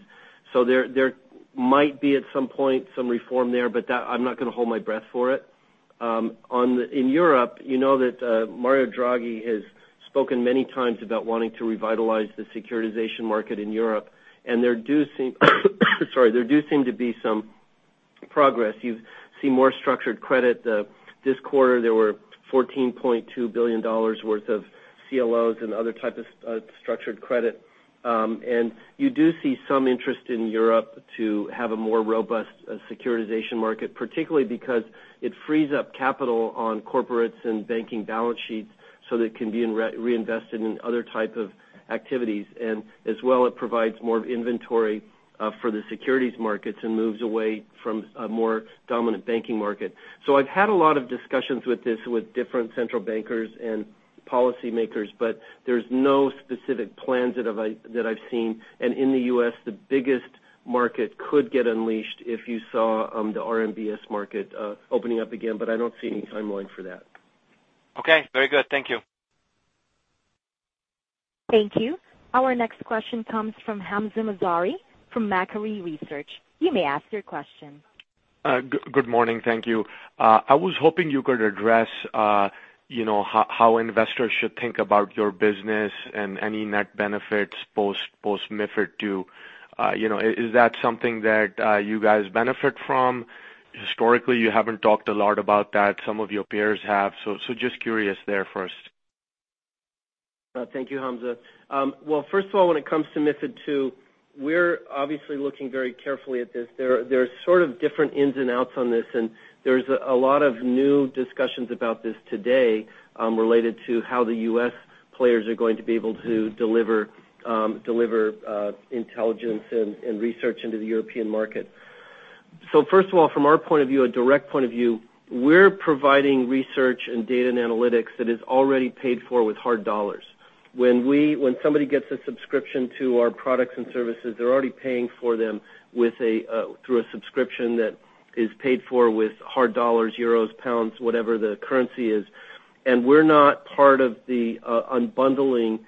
There might be, at some point, some reform there, but I'm not going to hold my breath for it. In Europe, you know that Mario Draghi has spoken many times about wanting to revitalize the securitization market in Europe, and there do seem to be some progress. You see more structured credit. This quarter, there were $14.2 billion worth of CLOs and other types of structured credit. You do see some interest in Europe to have a more robust securitization market, particularly because it frees up capital on corporates and banking balance sheets so that it can be reinvested in other type of activities. As well, it provides more inventory for the securities markets and moves away from a more dominant banking market. I've had a lot of discussions with this with different central bankers and policymakers, but there's no specific plans that I've seen. In the U.S., the biggest market could get unleashed if you saw the RMBS market opening up again, but I don't see any timeline for that. Okay, very good. Thank you. Thank you. Our next question comes from Hamzah Mazari, from Macquarie Research. You may ask your question. Good morning. Thank you. I was hoping you could address how investors should think about your business and any net benefits post-MiFID II. Is that something that you guys benefit from? Historically, you haven't talked a lot about that. Some of your peers have. Just curious there first. Thank you, Hamzah. First of all, when it comes to MiFID II, we're obviously looking very carefully at this. There are sort of different ins and outs on this, and there's a lot of new discussions about this today, related to how the U.S. players are going to be able to deliver intelligence and research into the European market. First of all, from our point of view, a direct point of view, we're providing research and data and analytics that is already paid for with hard dollars. When somebody gets a subscription to our products and services, they're already paying for them through a subscription that is paid for with hard dollars, euros, pounds, whatever the currency is. We're not part of the unbundling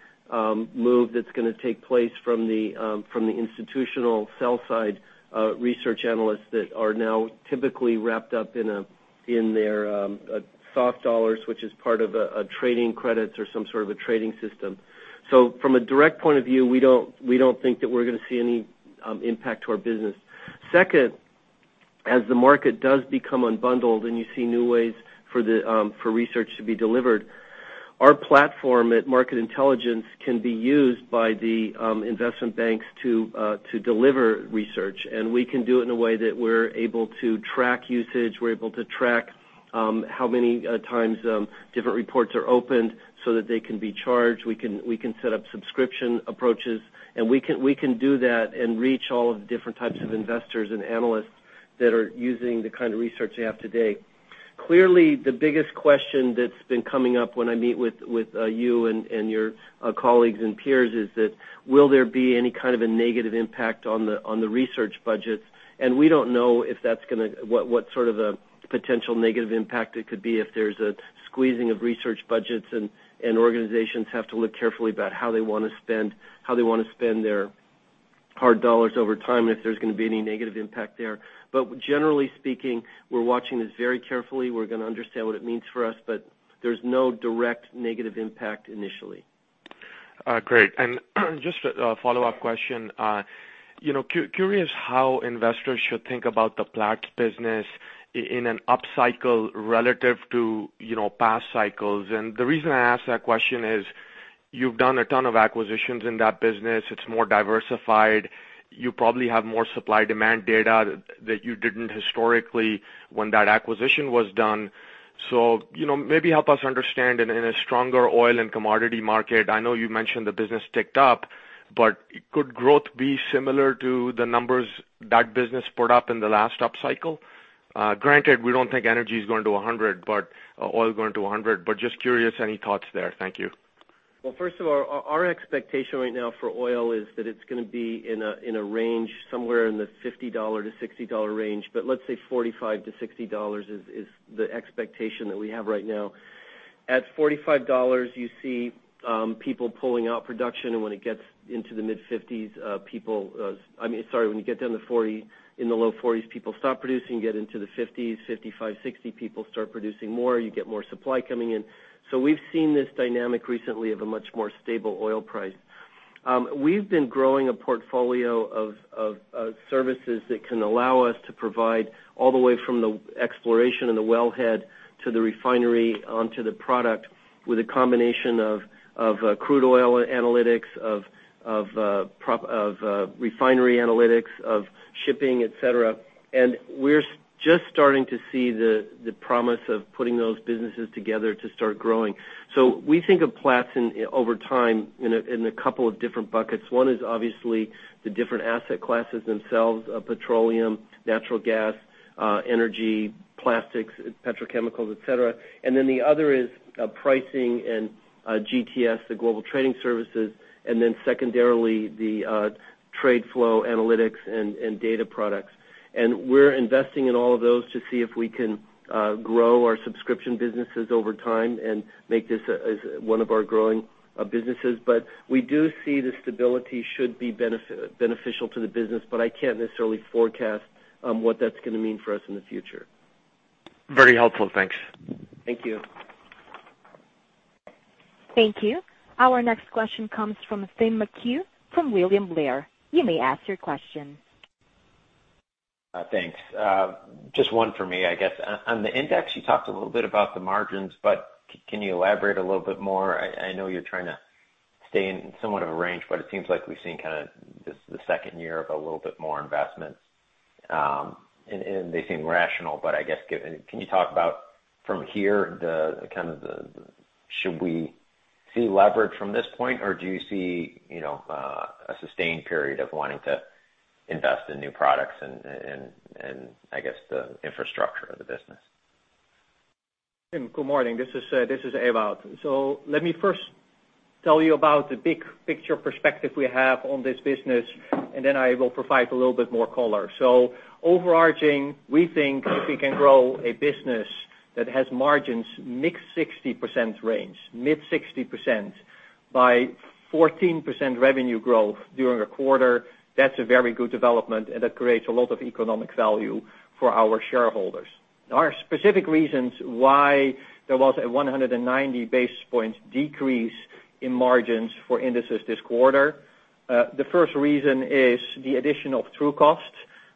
move that's going to take place from the institutional sell side research analysts that are now typically wrapped up in their soft dollars, which is part of a trading credit or some sort of a trading system. From a direct point of view, we don't think that we're going to see any impact to our business. Second, as the market does become unbundled and you see new ways for research to be delivered, our platform at Market Intelligence can be used by the investment banks to deliver research. We can do it in a way that we're able to track usage, we're able to track how many times different reports are opened so that they can be charged. We can set up subscription approaches, we can do that and reach all of the different types of investors and analysts that are using the kind of research they have today. Clearly, the biggest question that's been coming up when I meet with you and your colleagues and peers is that will there be any kind of a negative impact on the research budgets? We don't know what sort of a potential negative impact it could be if there's a squeezing of research budgets, and organizations have to look carefully about how they want to spend their hard dollars over time, and if there's going to be any negative impact there. Generally speaking, we're watching this very carefully. We're going to understand what it means for us, there's no direct negative impact initially. Great. Just a follow-up question. Curious how investors should think about the Platts business in an upcycle relative to past cycles. The reason I ask that question is you've done a ton of acquisitions in that business. It's more diversified. You probably have more supply-demand data that you didn't historically when that acquisition was done. Maybe help us understand, in a stronger oil and commodity market, I know you mentioned the business ticked up, but could growth be similar to the numbers that business put up in the last upcycle? Granted, we don't think energy is going to $100, but oil going to $100. Just curious, any thoughts there? Thank you. Well, first of all, our expectation right now for oil is that it's going to be in a range somewhere in the $50-$60 range, but let's say $45-$60 is the expectation that we have right now. At $45, you see people pulling out production, when it gets into the mid-50s, people. I mean, sorry, when you get down to 40, in the low 40s, people stop producing. You get into the 50s, 55, 60, people start producing more. You get more supply coming in. We've seen this dynamic recently of a much more stable oil price. We've been growing a portfolio of services that can allow us to provide all the way from the exploration and the wellhead to the refinery onto the product with a combination of crude oil analytics, of refinery analytics, of shipping, et cetera. We're just starting to see the promise of putting those businesses together to start growing. We think of Platts over time in a couple of different buckets. One is obviously the different asset classes themselves, petroleum, natural gas, energy, plastics, petrochemicals, et cetera. The other is pricing and GTS, the Global Trading Services, then secondarily, the trade flow analytics and data products. We're investing in all of those to see if we can grow our subscription businesses over time and make this as one of our growing businesses. We do see the stability should be beneficial to the business, I can't necessarily forecast what that's going to mean for us in the future. Very helpful. Thanks. Thank you. Thank you. Our next question comes from Tim McHugh from William Blair. You may ask your question. Thanks. Just one for me, I guess. On the index, you talked a little bit about the margins, but can you elaborate a little bit more? I know you're trying to stay in somewhat of a range, but it seems like we've seen this the second year of a little bit more investment. They seem rational, but I guess, can you talk about from here, should we see leverage from this point, or do you see a sustained period of wanting to invest in new products and, I guess, the infrastructure of the business? Tim, good morning. This is Ewout. Let me first tell you about the big picture perspective we have on this business, and then I will provide a little bit more color. Overarching, we think if we can grow a business that has margins mid-60% range by 14% revenue growth during a quarter, that's a very good development, and that creates a lot of economic value for our shareholders. There are specific reasons why there was a 190 basis points decrease in margins for indices this quarter. The first reason is the addition of Trucost.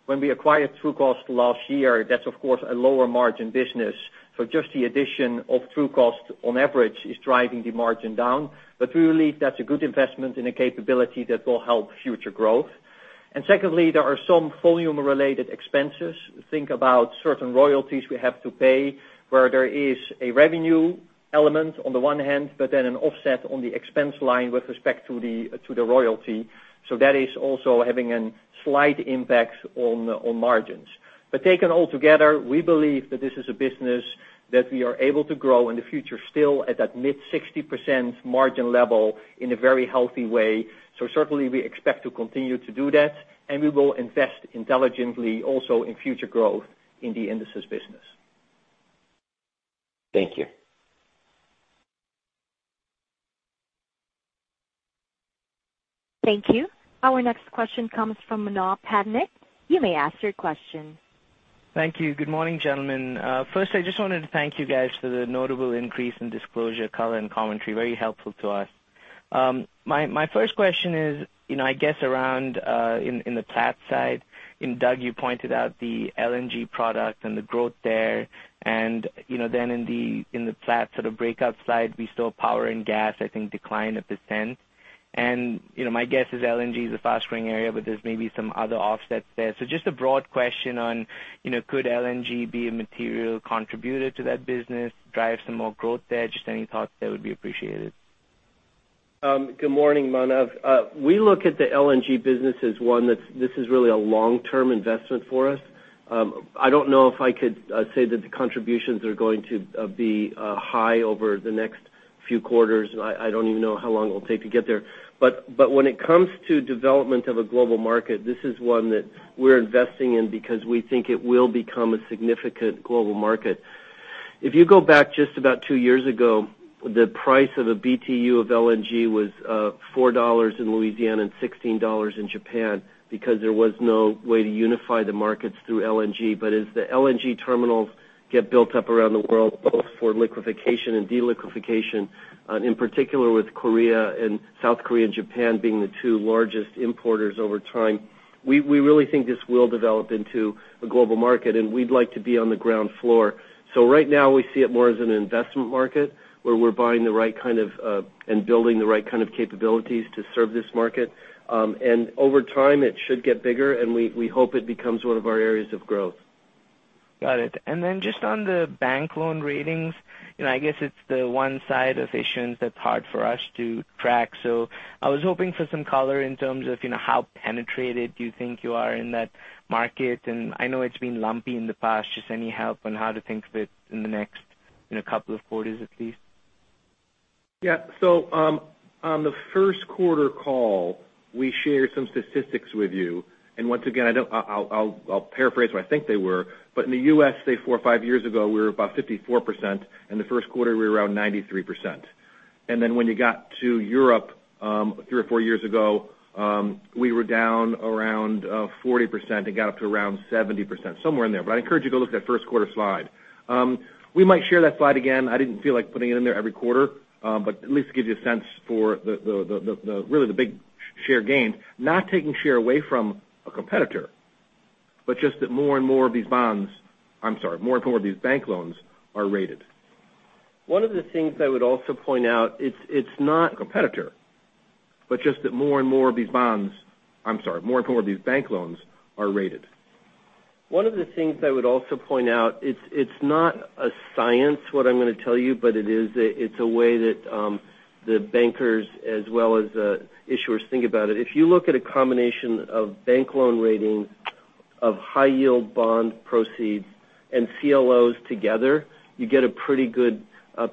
When we acquired Trucost last year, that's, of course, a lower margin business. Just the addition of Trucost on average is driving the margin down. We believe that's a good investment in a capability that will help future growth. Secondly, there are some volume-related expenses. Think about certain royalties we have to pay, where there is a revenue element on the one hand, but then an offset on the expense line with respect to the royalty. That is also having a slight impact on margins. Taken all together, we believe that this is a business that we are able to grow in the future, still at that mid-60% margin level in a very healthy way. Certainly, we expect to continue to do that, and we will invest intelligently also in future growth in the indices business. Thank you. Thank you. Our next question comes from Manav Patnaik. You may ask your question. Thank you. Good morning, gentlemen. I just wanted to thank you guys for the notable increase in disclosure color and commentary. Very helpful to us. My first question is, I guess around in the Platts side. Doug, you pointed out the LNG product and the growth there. In the Platts sort of breakup side, we saw power and gas, I think, decline 1%. My guess is LNG is a fast-growing area, but there's maybe some other offsets there. Just a broad question on could LNG be a material contributor to that business, drive some more growth there? Just any thoughts there would be appreciated. Good morning, Manav. We look at the LNG business as one that this is really a long-term investment for us. I don't know if I could say that the contributions are going to be high over the next few quarters. I don't even know how long it will take to get there. When it comes to development of a global market, this is one that we're investing in because we think it will become a significant global market. If you go back just about two years ago, the price of a BTU of LNG was $4 in Louisiana and $16 in Japan because there was no way to unify the markets through LNG. As the LNG terminals get built up around the world, both for liquification and de-liquification, in particular with South Korea and Japan being the two largest importers over time, we really think this will develop into a global market. We'd like to be on the ground floor. Right now, we see it more as an investment market where we're buying the right kind of, and building the right kind of capabilities to serve this market. Over time, it should get bigger. We hope it becomes one of our areas of growth. Got it. Just on the bank loan ratings, I guess it's the one side of issuance that's hard for us to track. I was hoping for some color in terms of how penetrated do you think you are in that market? I know it's been lumpy in the past. Just any help on how to think of it in the next couple of quarters at least? Yeah. On the first quarter call, we shared some statistics with you. Once again, I'll paraphrase what I think they were. In the U.S., say four or five years ago, we were about 54%, and the first quarter we were around 93%. When you got to Europe three or four years ago, we were down around 40% and got up to around 70%, somewhere in there. I encourage you to go look at that first quarter slide. We might share that slide again. I didn't feel like putting it in there every quarter. At least it gives you a sense for really the big share gains. Not taking share away from a competitor, but just that more and more of these bank loans are rated. One of the things I would also point out, it's not a Competitor, just that more and more of these bonds, I'm sorry, more and more of these bank loans are rated. One of the things I would also point out, it's not a science, what I'm going to tell you, but it's a way that the bankers as well as issuers think about it. If you look at a combination of bank loan ratings of high yield bond proceeds and CLOs together, you get a pretty good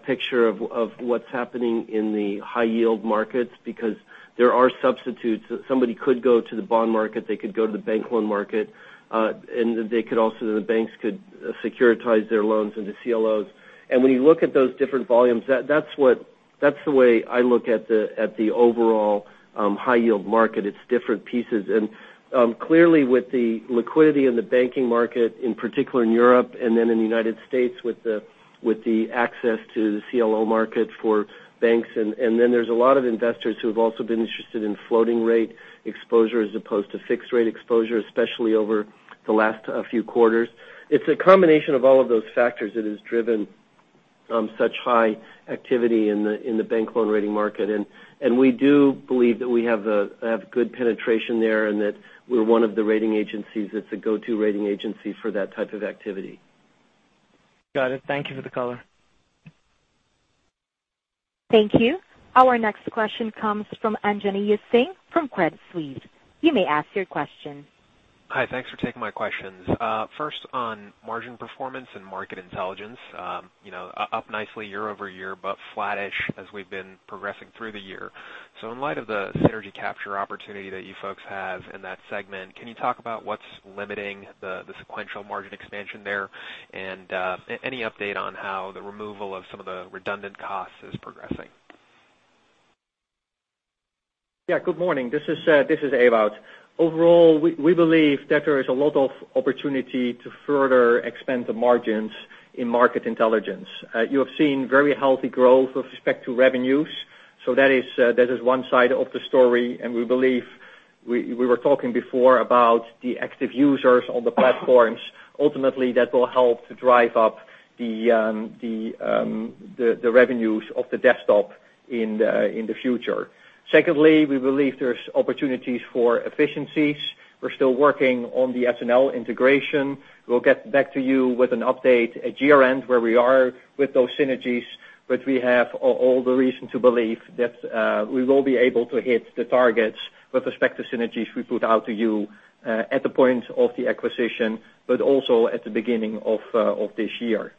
picture of what's happening in the high yield markets because there are substitutes. Somebody could go to the bond market, they could go to the bank loan market, and the banks could securitize their loans into CLOs. When you look at those different volumes, that's the way I look at the overall high yield market. It's different pieces. Clearly with the liquidity in the banking market, in particular in Europe and then in the U.S. with the access to the CLO market for banks. There's a lot of investors who have also been interested in floating rate exposure as opposed to fixed rate exposure, especially over the last few quarters. It's a combination of all of those factors that has driven Such high activity in the bank loan rating market. We do believe that we have good penetration there and that we're one of the rating agencies that's a go-to rating agency for that type of activity. Got it. Thank you for the color. Thank you. Our next question comes from Anjaneya Singh from Credit Suisse. You may ask your question. Hi. Thanks for taking my questions. First, on margin performance and Market Intelligence. Up nicely year-over-year, but flattish as we've been progressing through the year. In light of the synergy capture opportunity that you folks have in that segment, can you talk about what's limiting the sequential margin expansion there? Any update on how the removal of some of the redundant costs is progressing? Yeah, good morning. This is Ewout. Overall, we believe that there is a lot of opportunity to further expand the margins in Market Intelligence. You have seen very healthy growth with respect to revenues. That is one side of the story, we believe we were talking before about the active users on the platforms. Ultimately, that will help to drive up the revenues of the desktop in the future. Secondly, we believe there's opportunities for efficiencies. We're still working on the SNL integration. We'll get back to you with an update at year-end where we are with those synergies. We have all the reason to believe that we will be able to hit the targets with respect to synergies we put out to you at the point of the acquisition, but also at the beginning of this year.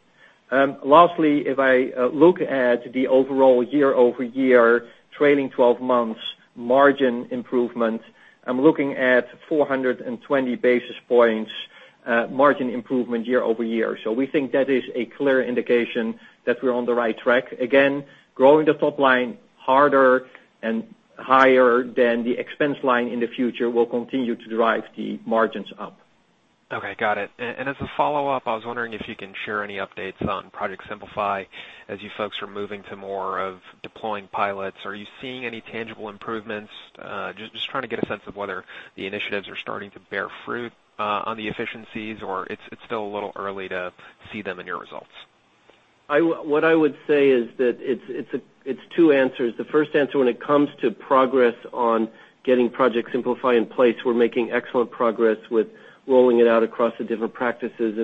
Lastly, if I look at the overall year-over-year trailing 12 months margin improvement, I'm looking at 420 basis points margin improvement year-over-year. We think that is a clear indication that we're on the right track. Again, growing the top line harder and higher than the expense line in the future will continue to drive the margins up. Okay, got it. As a follow-up, I was wondering if you can share any updates on Project Simplify as you folks are moving to more of deploying pilots. Are you seeing any tangible improvements? Just trying to get a sense of whether the initiatives are starting to bear fruit on the efficiencies, or it's still a little early to see them in your results. What I would say is that it's two answers. The first answer, when it comes to progress on getting Project Simplify in place, we're making excellent progress with rolling it out across the different practices.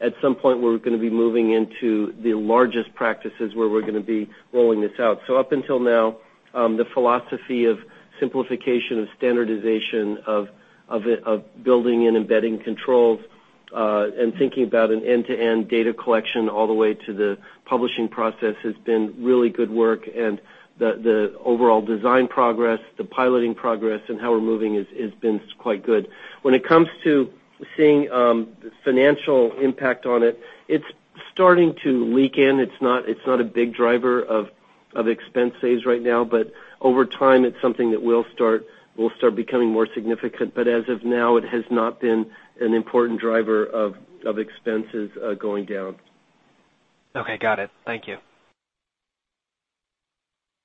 At some point, we're going to be moving into the largest practices where we're going to be rolling this out. Up until now, the philosophy of simplification and standardization of building and embedding controls, thinking about an end-to-end data collection all the way to the publishing process has been really good work. The overall design progress, the piloting progress, and how we're moving has been quite good. When it comes to seeing financial impact on it's starting to leak in. It's not a big driver of expense saves right now, but over time, it's something that will start becoming more significant. As of now, it has not been an important driver of expenses going down. Okay, got it. Thank you.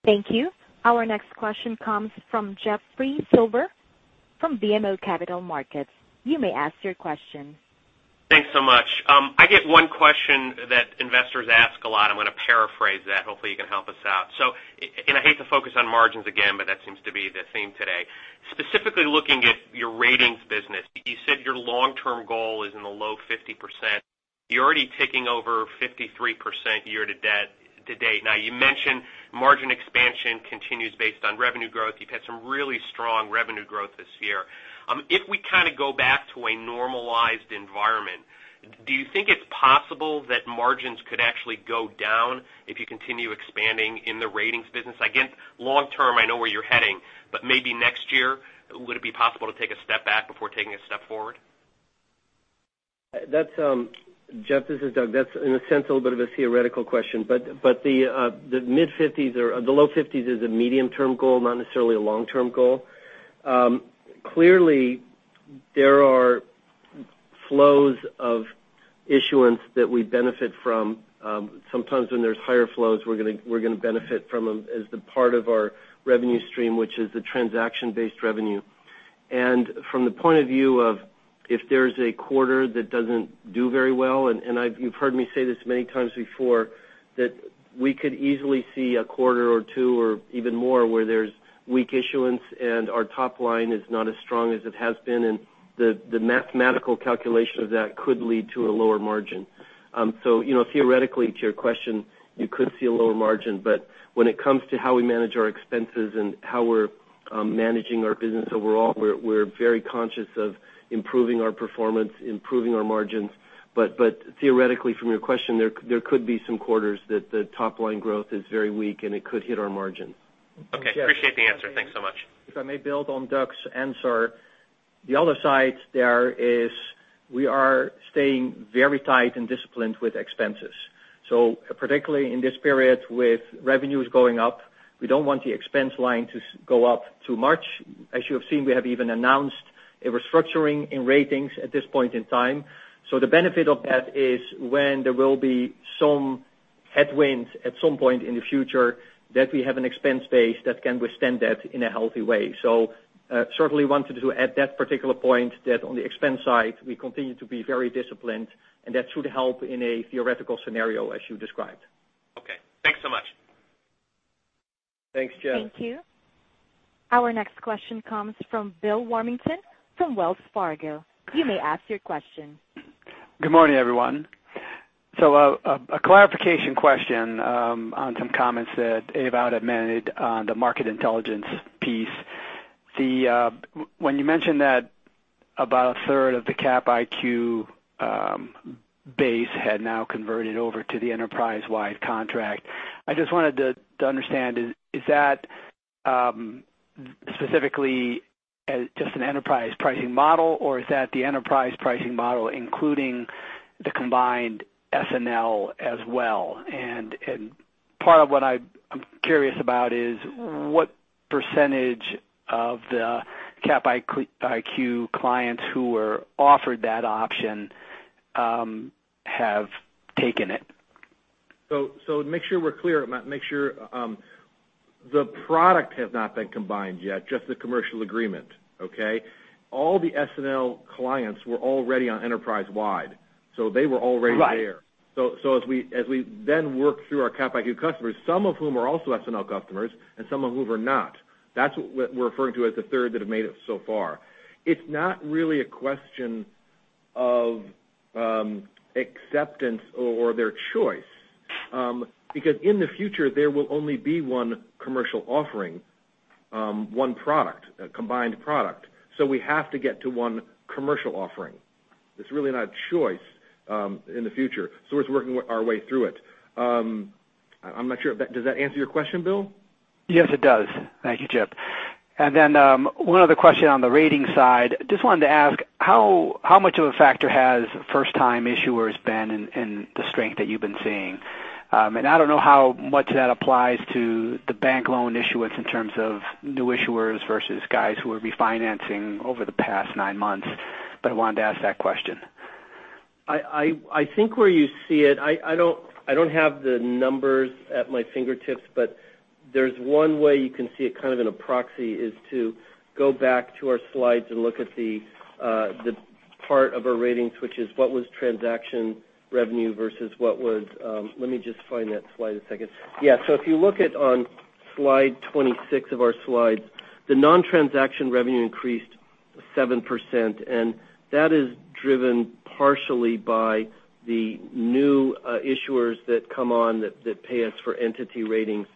Thank you. Our next question comes from Jeffrey Silber from BMO Capital Markets. You may ask your question. Thanks so much. I get one question that investors ask a lot. I'm going to paraphrase that. Hopefully, you can help us out. I hate to focus on margins again, but that seems to be the theme today. Specifically looking at your Ratings business, you said your long-term goal is in the low 50%. You're already ticking over 53% year to date. You mentioned margin expansion continues based on revenue growth. You've had some really strong revenue growth this year. If we go back to a normalized environment, do you think it's possible that margins could actually go down if you continue expanding in the Ratings business? Again, long term, I know where you're heading, but maybe next year, would it be possible to take a step back before taking a step forward? Jeff, this is Doug. That is in a sense, a little bit of a theoretical question, but the low 50s is a medium-term goal, not necessarily a long-term goal. Clearly, there are flows of issuance that we benefit from. Sometimes when there is higher flows, we are going to benefit from them as the part of our revenue stream, which is the transaction-based revenue. From the point of view of if there is a quarter that does not do very well, and you have heard me say this many times before, that we could easily see a quarter or two or even more where there is weak issuance and our top line is not as strong as it has been, and the mathematical calculation of that could lead to a lower margin. Theoretically, to your question, you could see a lower margin. When it comes to how we manage our expenses and how we are managing our business overall, we are very conscious of improving our performance, improving our margins. Theoretically, from your question, there could be some quarters that the top-line growth is very weak, and it could hit our margins. Okay. Appreciate the answer. Thanks so much. If I may build on Doug's answer. The other side there is we are staying very tight and disciplined with expenses. Particularly in this period with revenues going up, we do not want the expense line to go up too much. As you have seen, we have even announced a restructuring in Ratings at this point in time. The benefit of that is when there will be some headwinds at some point in the future that we have an expense base that can withstand that in a healthy way. Certainly wanted to add that particular point that on the expense side, we continue to be very disciplined, and that should help in a theoretical scenario as you described. Okay. Thanks so much. Thanks, Jeff. Thank you. Our next question comes from Bill Warmington from Wells Fargo. You may ask your question. Good morning, everyone. A clarification question on some comments that Ewout had made on the market intelligence piece. When you mentioned that about a third of the Cap IQ base had now converted over to the enterprise-wide contract, I just wanted to understand, is that specifically just an enterprise pricing model, or is that the enterprise pricing model, including the combined SNL as well? Part of what I'm curious about is what % of the Cap IQ clients who were offered that option have taken it? To make sure we're clear, the product has not been combined yet, just the commercial agreement, okay? All the SNL clients were already on enterprise-wide, they were already there. Right. As we then work through our Cap IQ customers, some of whom are also SNL customers and some of whom are not, that's what we're referring to as the third that have made it so far. It's not really a question of acceptance or their choice, because in the future, there will only be one commercial offering, one product, a combined product. We have to get to one commercial offering. It's really not a choice in the future. We're working our way through it. I'm not sure. Does that answer your question, Bill? Yes, it does. Thank you, Chip. Then one other question on the ratings side. Just wanted to ask how much of a factor has first time issuers been in the strength that you've been seeing? I don't know how much that applies to the bank loan issuance in terms of new issuers versus guys who are refinancing over the past nine months, but I wanted to ask that question. I think where you see it, I don't have the numbers at my fingertips, but there's one way you can see it kind of in a proxy is to go back to our slides and look at the part of our ratings, which is what was transaction revenue. If you look at on slide 26 of our slides, the non-transaction revenue increased 7%, that is driven partially by the new issuers that come on that pay us for entity ratings.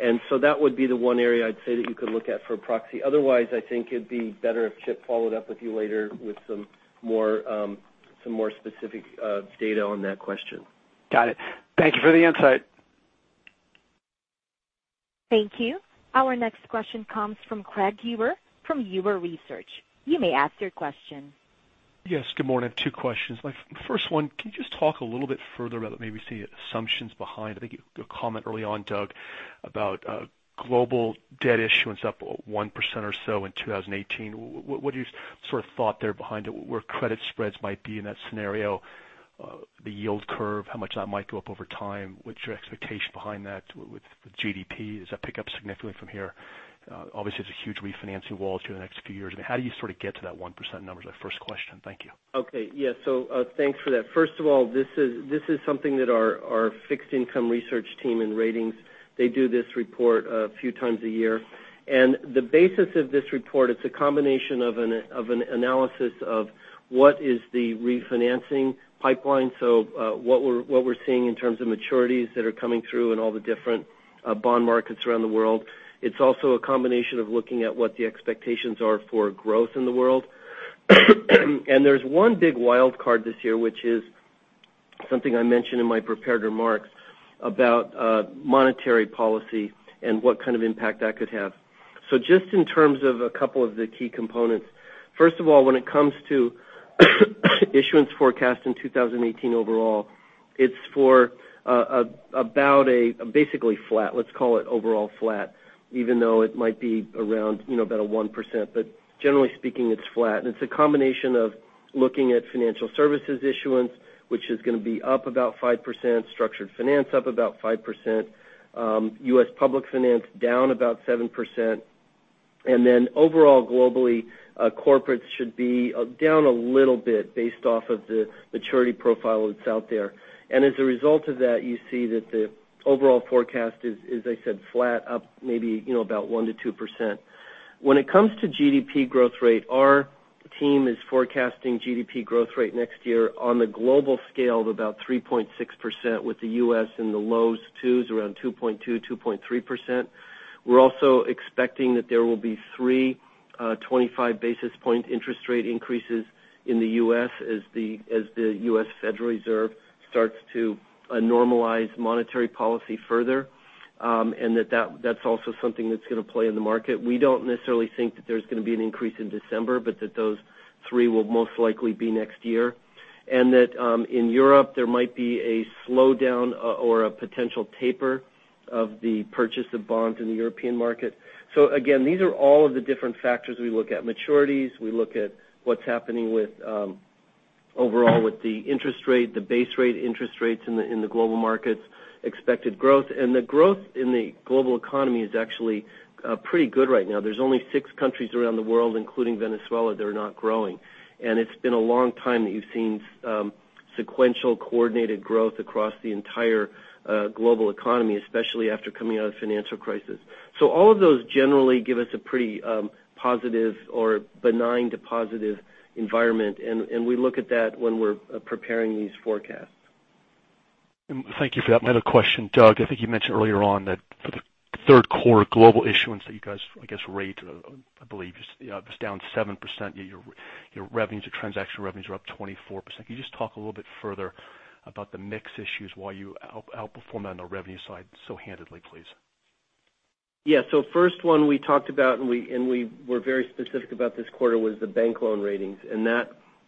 That would be the one area I'd say that you could look at for a proxy. Otherwise, I think it'd be better if Chip followed up with you later with some more specific data on that question. Got it. Thank you for the insight. Thank you. Our next question comes from Craig Huber from Huber Research. You may ask your question. Yes, good morning. Two questions. My first one, can you just talk a little bit further about maybe the assumptions behind, I think, a comment early on, Doug, about global debt issuance up 1% or so in 2018. What is your thought there behind it, where credit spreads might be in that scenario? The yield curve, how much that might go up over time? What's your expectation behind that with GDP? Does that pick up significantly from here? Obviously, it's a huge refinancing wall through the next few years. How do you sort of get to that 1% number is my first question. Thank you. Okay. Thanks for that. First of all, this is something that our fixed income research team in Ratings, they do this report a few times a year. The basis of this report, it's a combination of an analysis of what is the refinancing pipeline. What we're seeing in terms of maturities that are coming through in all the different bond markets around the world. It's also a combination of looking at what the expectations are for growth in the world. There's one big wild card this year, which is something I mentioned in my prepared remarks about monetary policy and what kind of impact that could have. Just in terms of a couple of the key components, first of all, when it comes to issuance forecast in 2018 overall, it's for basically flat, let's call it overall flat, even though it might be around 1%. Generally speaking, it's flat. It's a combination of looking at financial services issuance, which is going to be up about 5%, structured finance up about 5%, U.S. public finance down about 7%. Then overall, globally, corporates should be down a little bit based off of the maturity profile that's out there. As a result of that, you see that the overall forecast is, as I said, flat up maybe about 1%-2%. When it comes to GDP growth rate, our team is forecasting GDP growth rate next year on the global scale of about 3.6% with the U.S. in the low twos, around 2.2%, 2.3%. We're also expecting that there will be three 25 basis point interest rate increases in the U.S. as the Federal Reserve System starts to normalize monetary policy further, that's also something that's going to play in the market. We don't necessarily think that there's going to be an increase in December, but that those three will most likely be next year. That in Europe, there might be a slowdown or a potential taper of the purchase of bonds in the European market. Again, these are all of the different factors we look at. Maturities, we look at what's happening overall with the interest rate, the base rate interest rates in the global markets, expected growth. The growth in the global economy is actually pretty good right now. There's only six countries around the world, including Venezuela, that are not growing. It's been a long time that you've seen sequential coordinated growth across the entire global economy, especially after coming out of the financial crisis. All of those generally give us a pretty positive or benign to positive environment, we look at that when we're preparing these forecasts. Thank you for that. I had a question. Doug, I think you mentioned earlier on that for the third quarter global issuance that you guys, I guess, rate, I believe, it was down 7%. Yet your transaction revenues are up 24%. Can you just talk a little bit further about the mix issues, why you outperformed on the revenue side so handedly, please? Yeah. First one we talked about, and we were very specific about this quarter, was the bank loan ratings.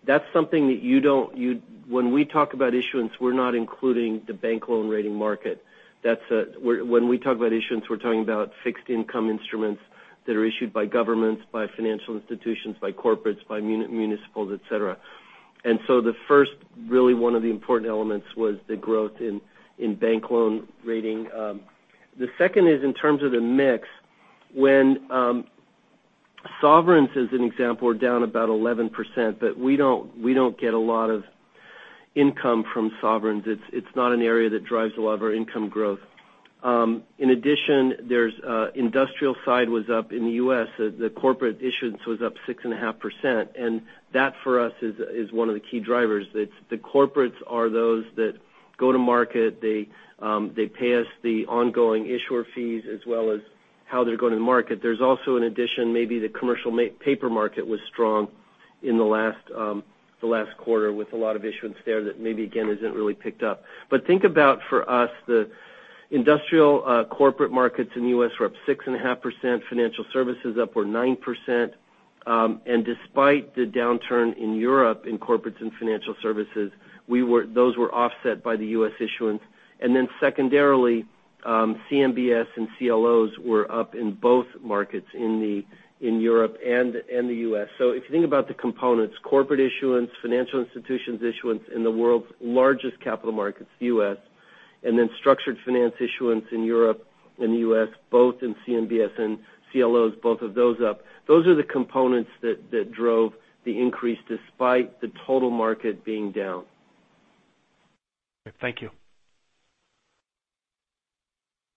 That's something that when we talk about issuance, we're not including the bank loan rating market. When we talk about issuance, we're talking about fixed income instruments that are issued by governments, by financial institutions, by corporates, by municipals, et cetera. The first really one of the important elements was the growth in bank loan rating. The second is in terms of the mix. Sovereigns, as an example, are down about 11%, but we don't get a lot of income from sovereigns. It's not an area that drives a lot of our income growth. In addition, the industrial side was up in the U.S. The corporate issuance was up 6.5%. That, for us, is one of the key drivers. The corporates are those that go to market. They pay us the ongoing issuer fees as well as how they're going to market. There's also, in addition, maybe the commercial paper market was strong in the last quarter with a lot of issuance there that maybe, again, isn't really picked up. Think about for us, the industrial corporate markets in the U.S. were up 6.5%, financial services upward 9%. Despite the downturn in Europe in corporates and financial services, those were offset by the U.S. issuance. Secondarily, CMBS and CLOs were up in both markets in Europe and the U.S. If you think about the components, corporate issuance, financial institutions issuance in the world's largest capital markets, U.S., and then structured finance issuance in Europe and the U.S., both in CMBS and CLOs, both of those up. Those are the components that drove the increase despite the total market being down. Thank you.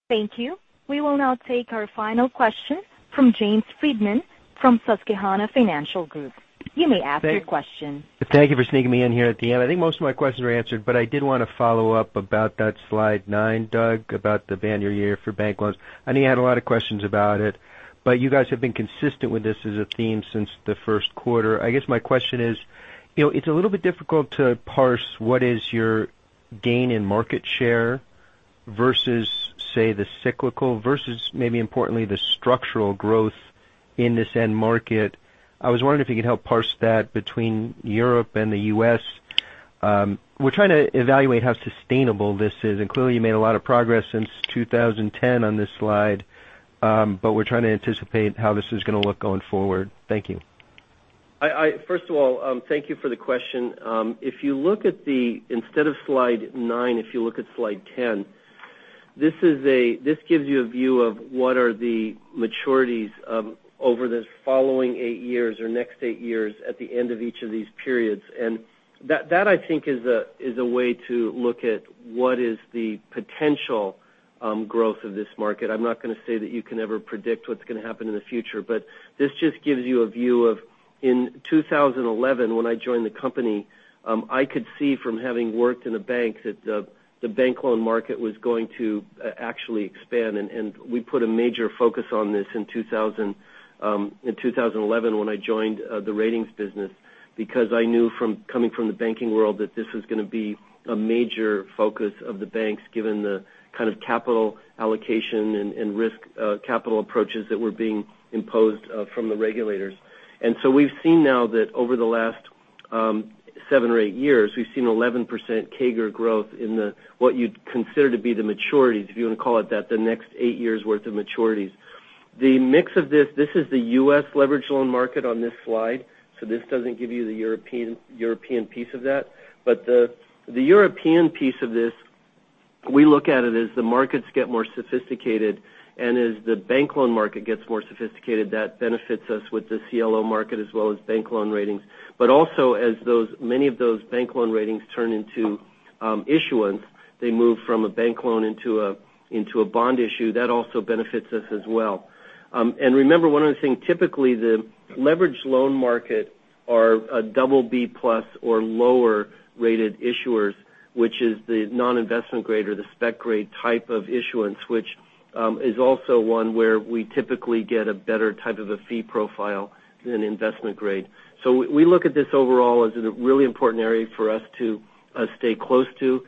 Thank you. We will now take our final question from James Friedman from Susquehanna Financial Group. You may ask your question. Thank you for sneaking me in here at the end. I think most of my questions were answered, but I did want to follow up about that slide nine, Doug, about the banner year for bank loans. I know you had a lot of questions about it, but you guys have been consistent with this as a theme since the first quarter. I guess my question is, it's a little bit difficult to parse what is your gain in market share versus, say, the cyclical versus maybe importantly, the structural growth in this end market. I was wondering if you could help parse that between Europe and the U.S. We're trying to evaluate how sustainable this is. Clearly, you made a lot of progress since 2010 on this slide. We're trying to anticipate how this is going to look going forward. Thank you. First of all, thank you for the question. Instead of slide nine, if you look at slide 10, this gives you a view of what are the maturities over this following eight years or next eight years at the end of each of these periods. That, I think, is a way to look at what is the potential growth of this market. I'm not going to say that you can ever predict what's going to happen in the future. This just gives you a view of in 2011, when I joined the company, I could see from having worked in a bank that the bank loan market was going to actually expand. We put a major focus on this in 2011 when I joined the ratings business because I knew coming from the banking world that this was going to be a major focus of the banks, given the kind of capital allocation and risk capital approaches that were being imposed from the regulators. We've seen now that over the last seven or eight years, we've seen 11% CAGR growth in what you'd consider to be the maturities, if you want to call it that, the next eight years' worth of maturities. The mix of this is the U.S. leverage loan market on this slide. This doesn't give you the European piece of that. The European piece of this, we look at it as the markets get more sophisticated, and as the bank loan market gets more sophisticated, that benefits us with the CLO market as well as bank loan ratings. Also as many of those bank loan ratings turn into issuance, they move from a bank loan into a bond issue. That also benefits us as well. Remember, one other thing, typically, the leverage loan market are a double B plus or lower-rated issuers, which is the non-investment grade or the speculative grade type of issuance, which is also one where we typically get a better type of a fee profile than investment grade. We look at this overall as a really important area for us to stay close to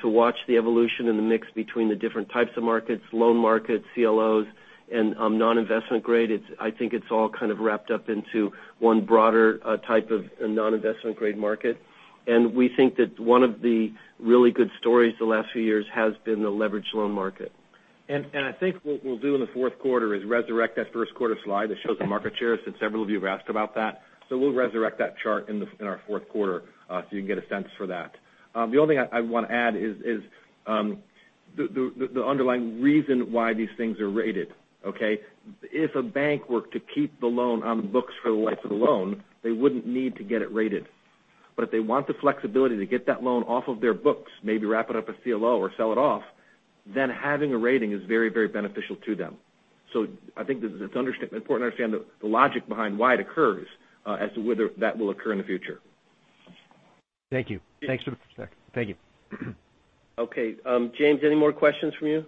to watch the evolution and the mix between the different types of markets, loan markets, CLOs, and non-investment grade. I think it's all kind of wrapped up into one broader type of non-investment grade market. We think that one of the really good stories the last few years has been the leverage loan market. I think what we'll do in the fourth quarter is resurrect that first quarter slide that shows the market share since several of you have asked about that. We'll resurrect that chart in our fourth quarter so you can get a sense for that. The only thing I want to add is the underlying reason why these things are rated, okay? If a bank were to keep the loan on the books for the life of the loan, they wouldn't need to get it rated. If they want the flexibility to get that loan off of their books, maybe wrap it up a CLO or sell it off, then having a rating is very beneficial to them. I think it's important to understand the logic behind why it occurs as to whether that will occur in the future. Thank you. Thanks for the perspective. Thank you. Okay. James, any more questions from you?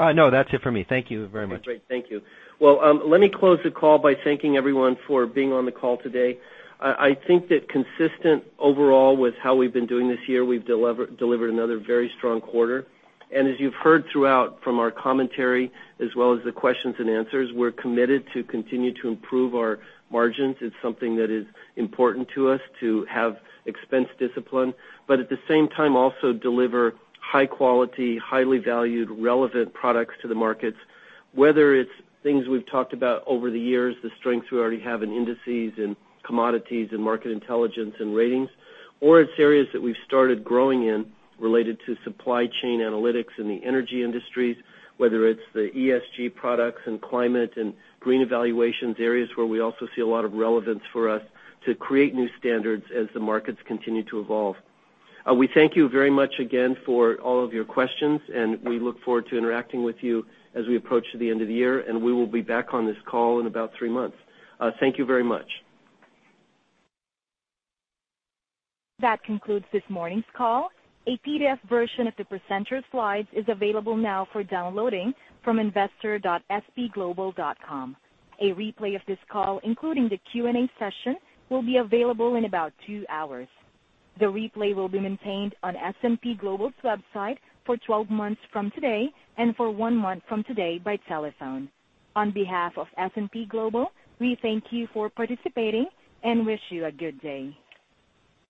No, that's it for me. Thank you very much. Okay, great. Thank you. Well, let me close the call by thanking everyone for being on the call today. I think that consistent overall with how we've been doing this year, we've delivered another very strong quarter. As you've heard throughout from our commentary as well as the questions and answers, we're committed to continue to improve our margins. It's something that is important to us to have expense discipline, but at the same time also deliver high quality, highly valued, relevant products to the markets, whether it's things we've talked about over the years, the strengths we already have in Indices and commodities and Market Intelligence and Ratings, or it's areas that we've started growing in related to supply chain analytics in the energy industries, whether it's the ESG products and climate and green evaluations, areas where we also see a lot of relevance for us to create new standards as the markets continue to evolve. We thank you very much again for all of your questions, we look forward to interacting with you as we approach the end of the year, we will be back on this call in about three months. Thank you very much. That concludes this morning's call. A PDF version of the presenter's slides is available now for downloading from investor.spglobal.com. A replay of this call, including the Q&A session, will be available in about two hours. The replay will be maintained on S&P Global's website for 12 months from today and for one month from today by telephone. On behalf of S&P Global, we thank you for participating and wish you a good day.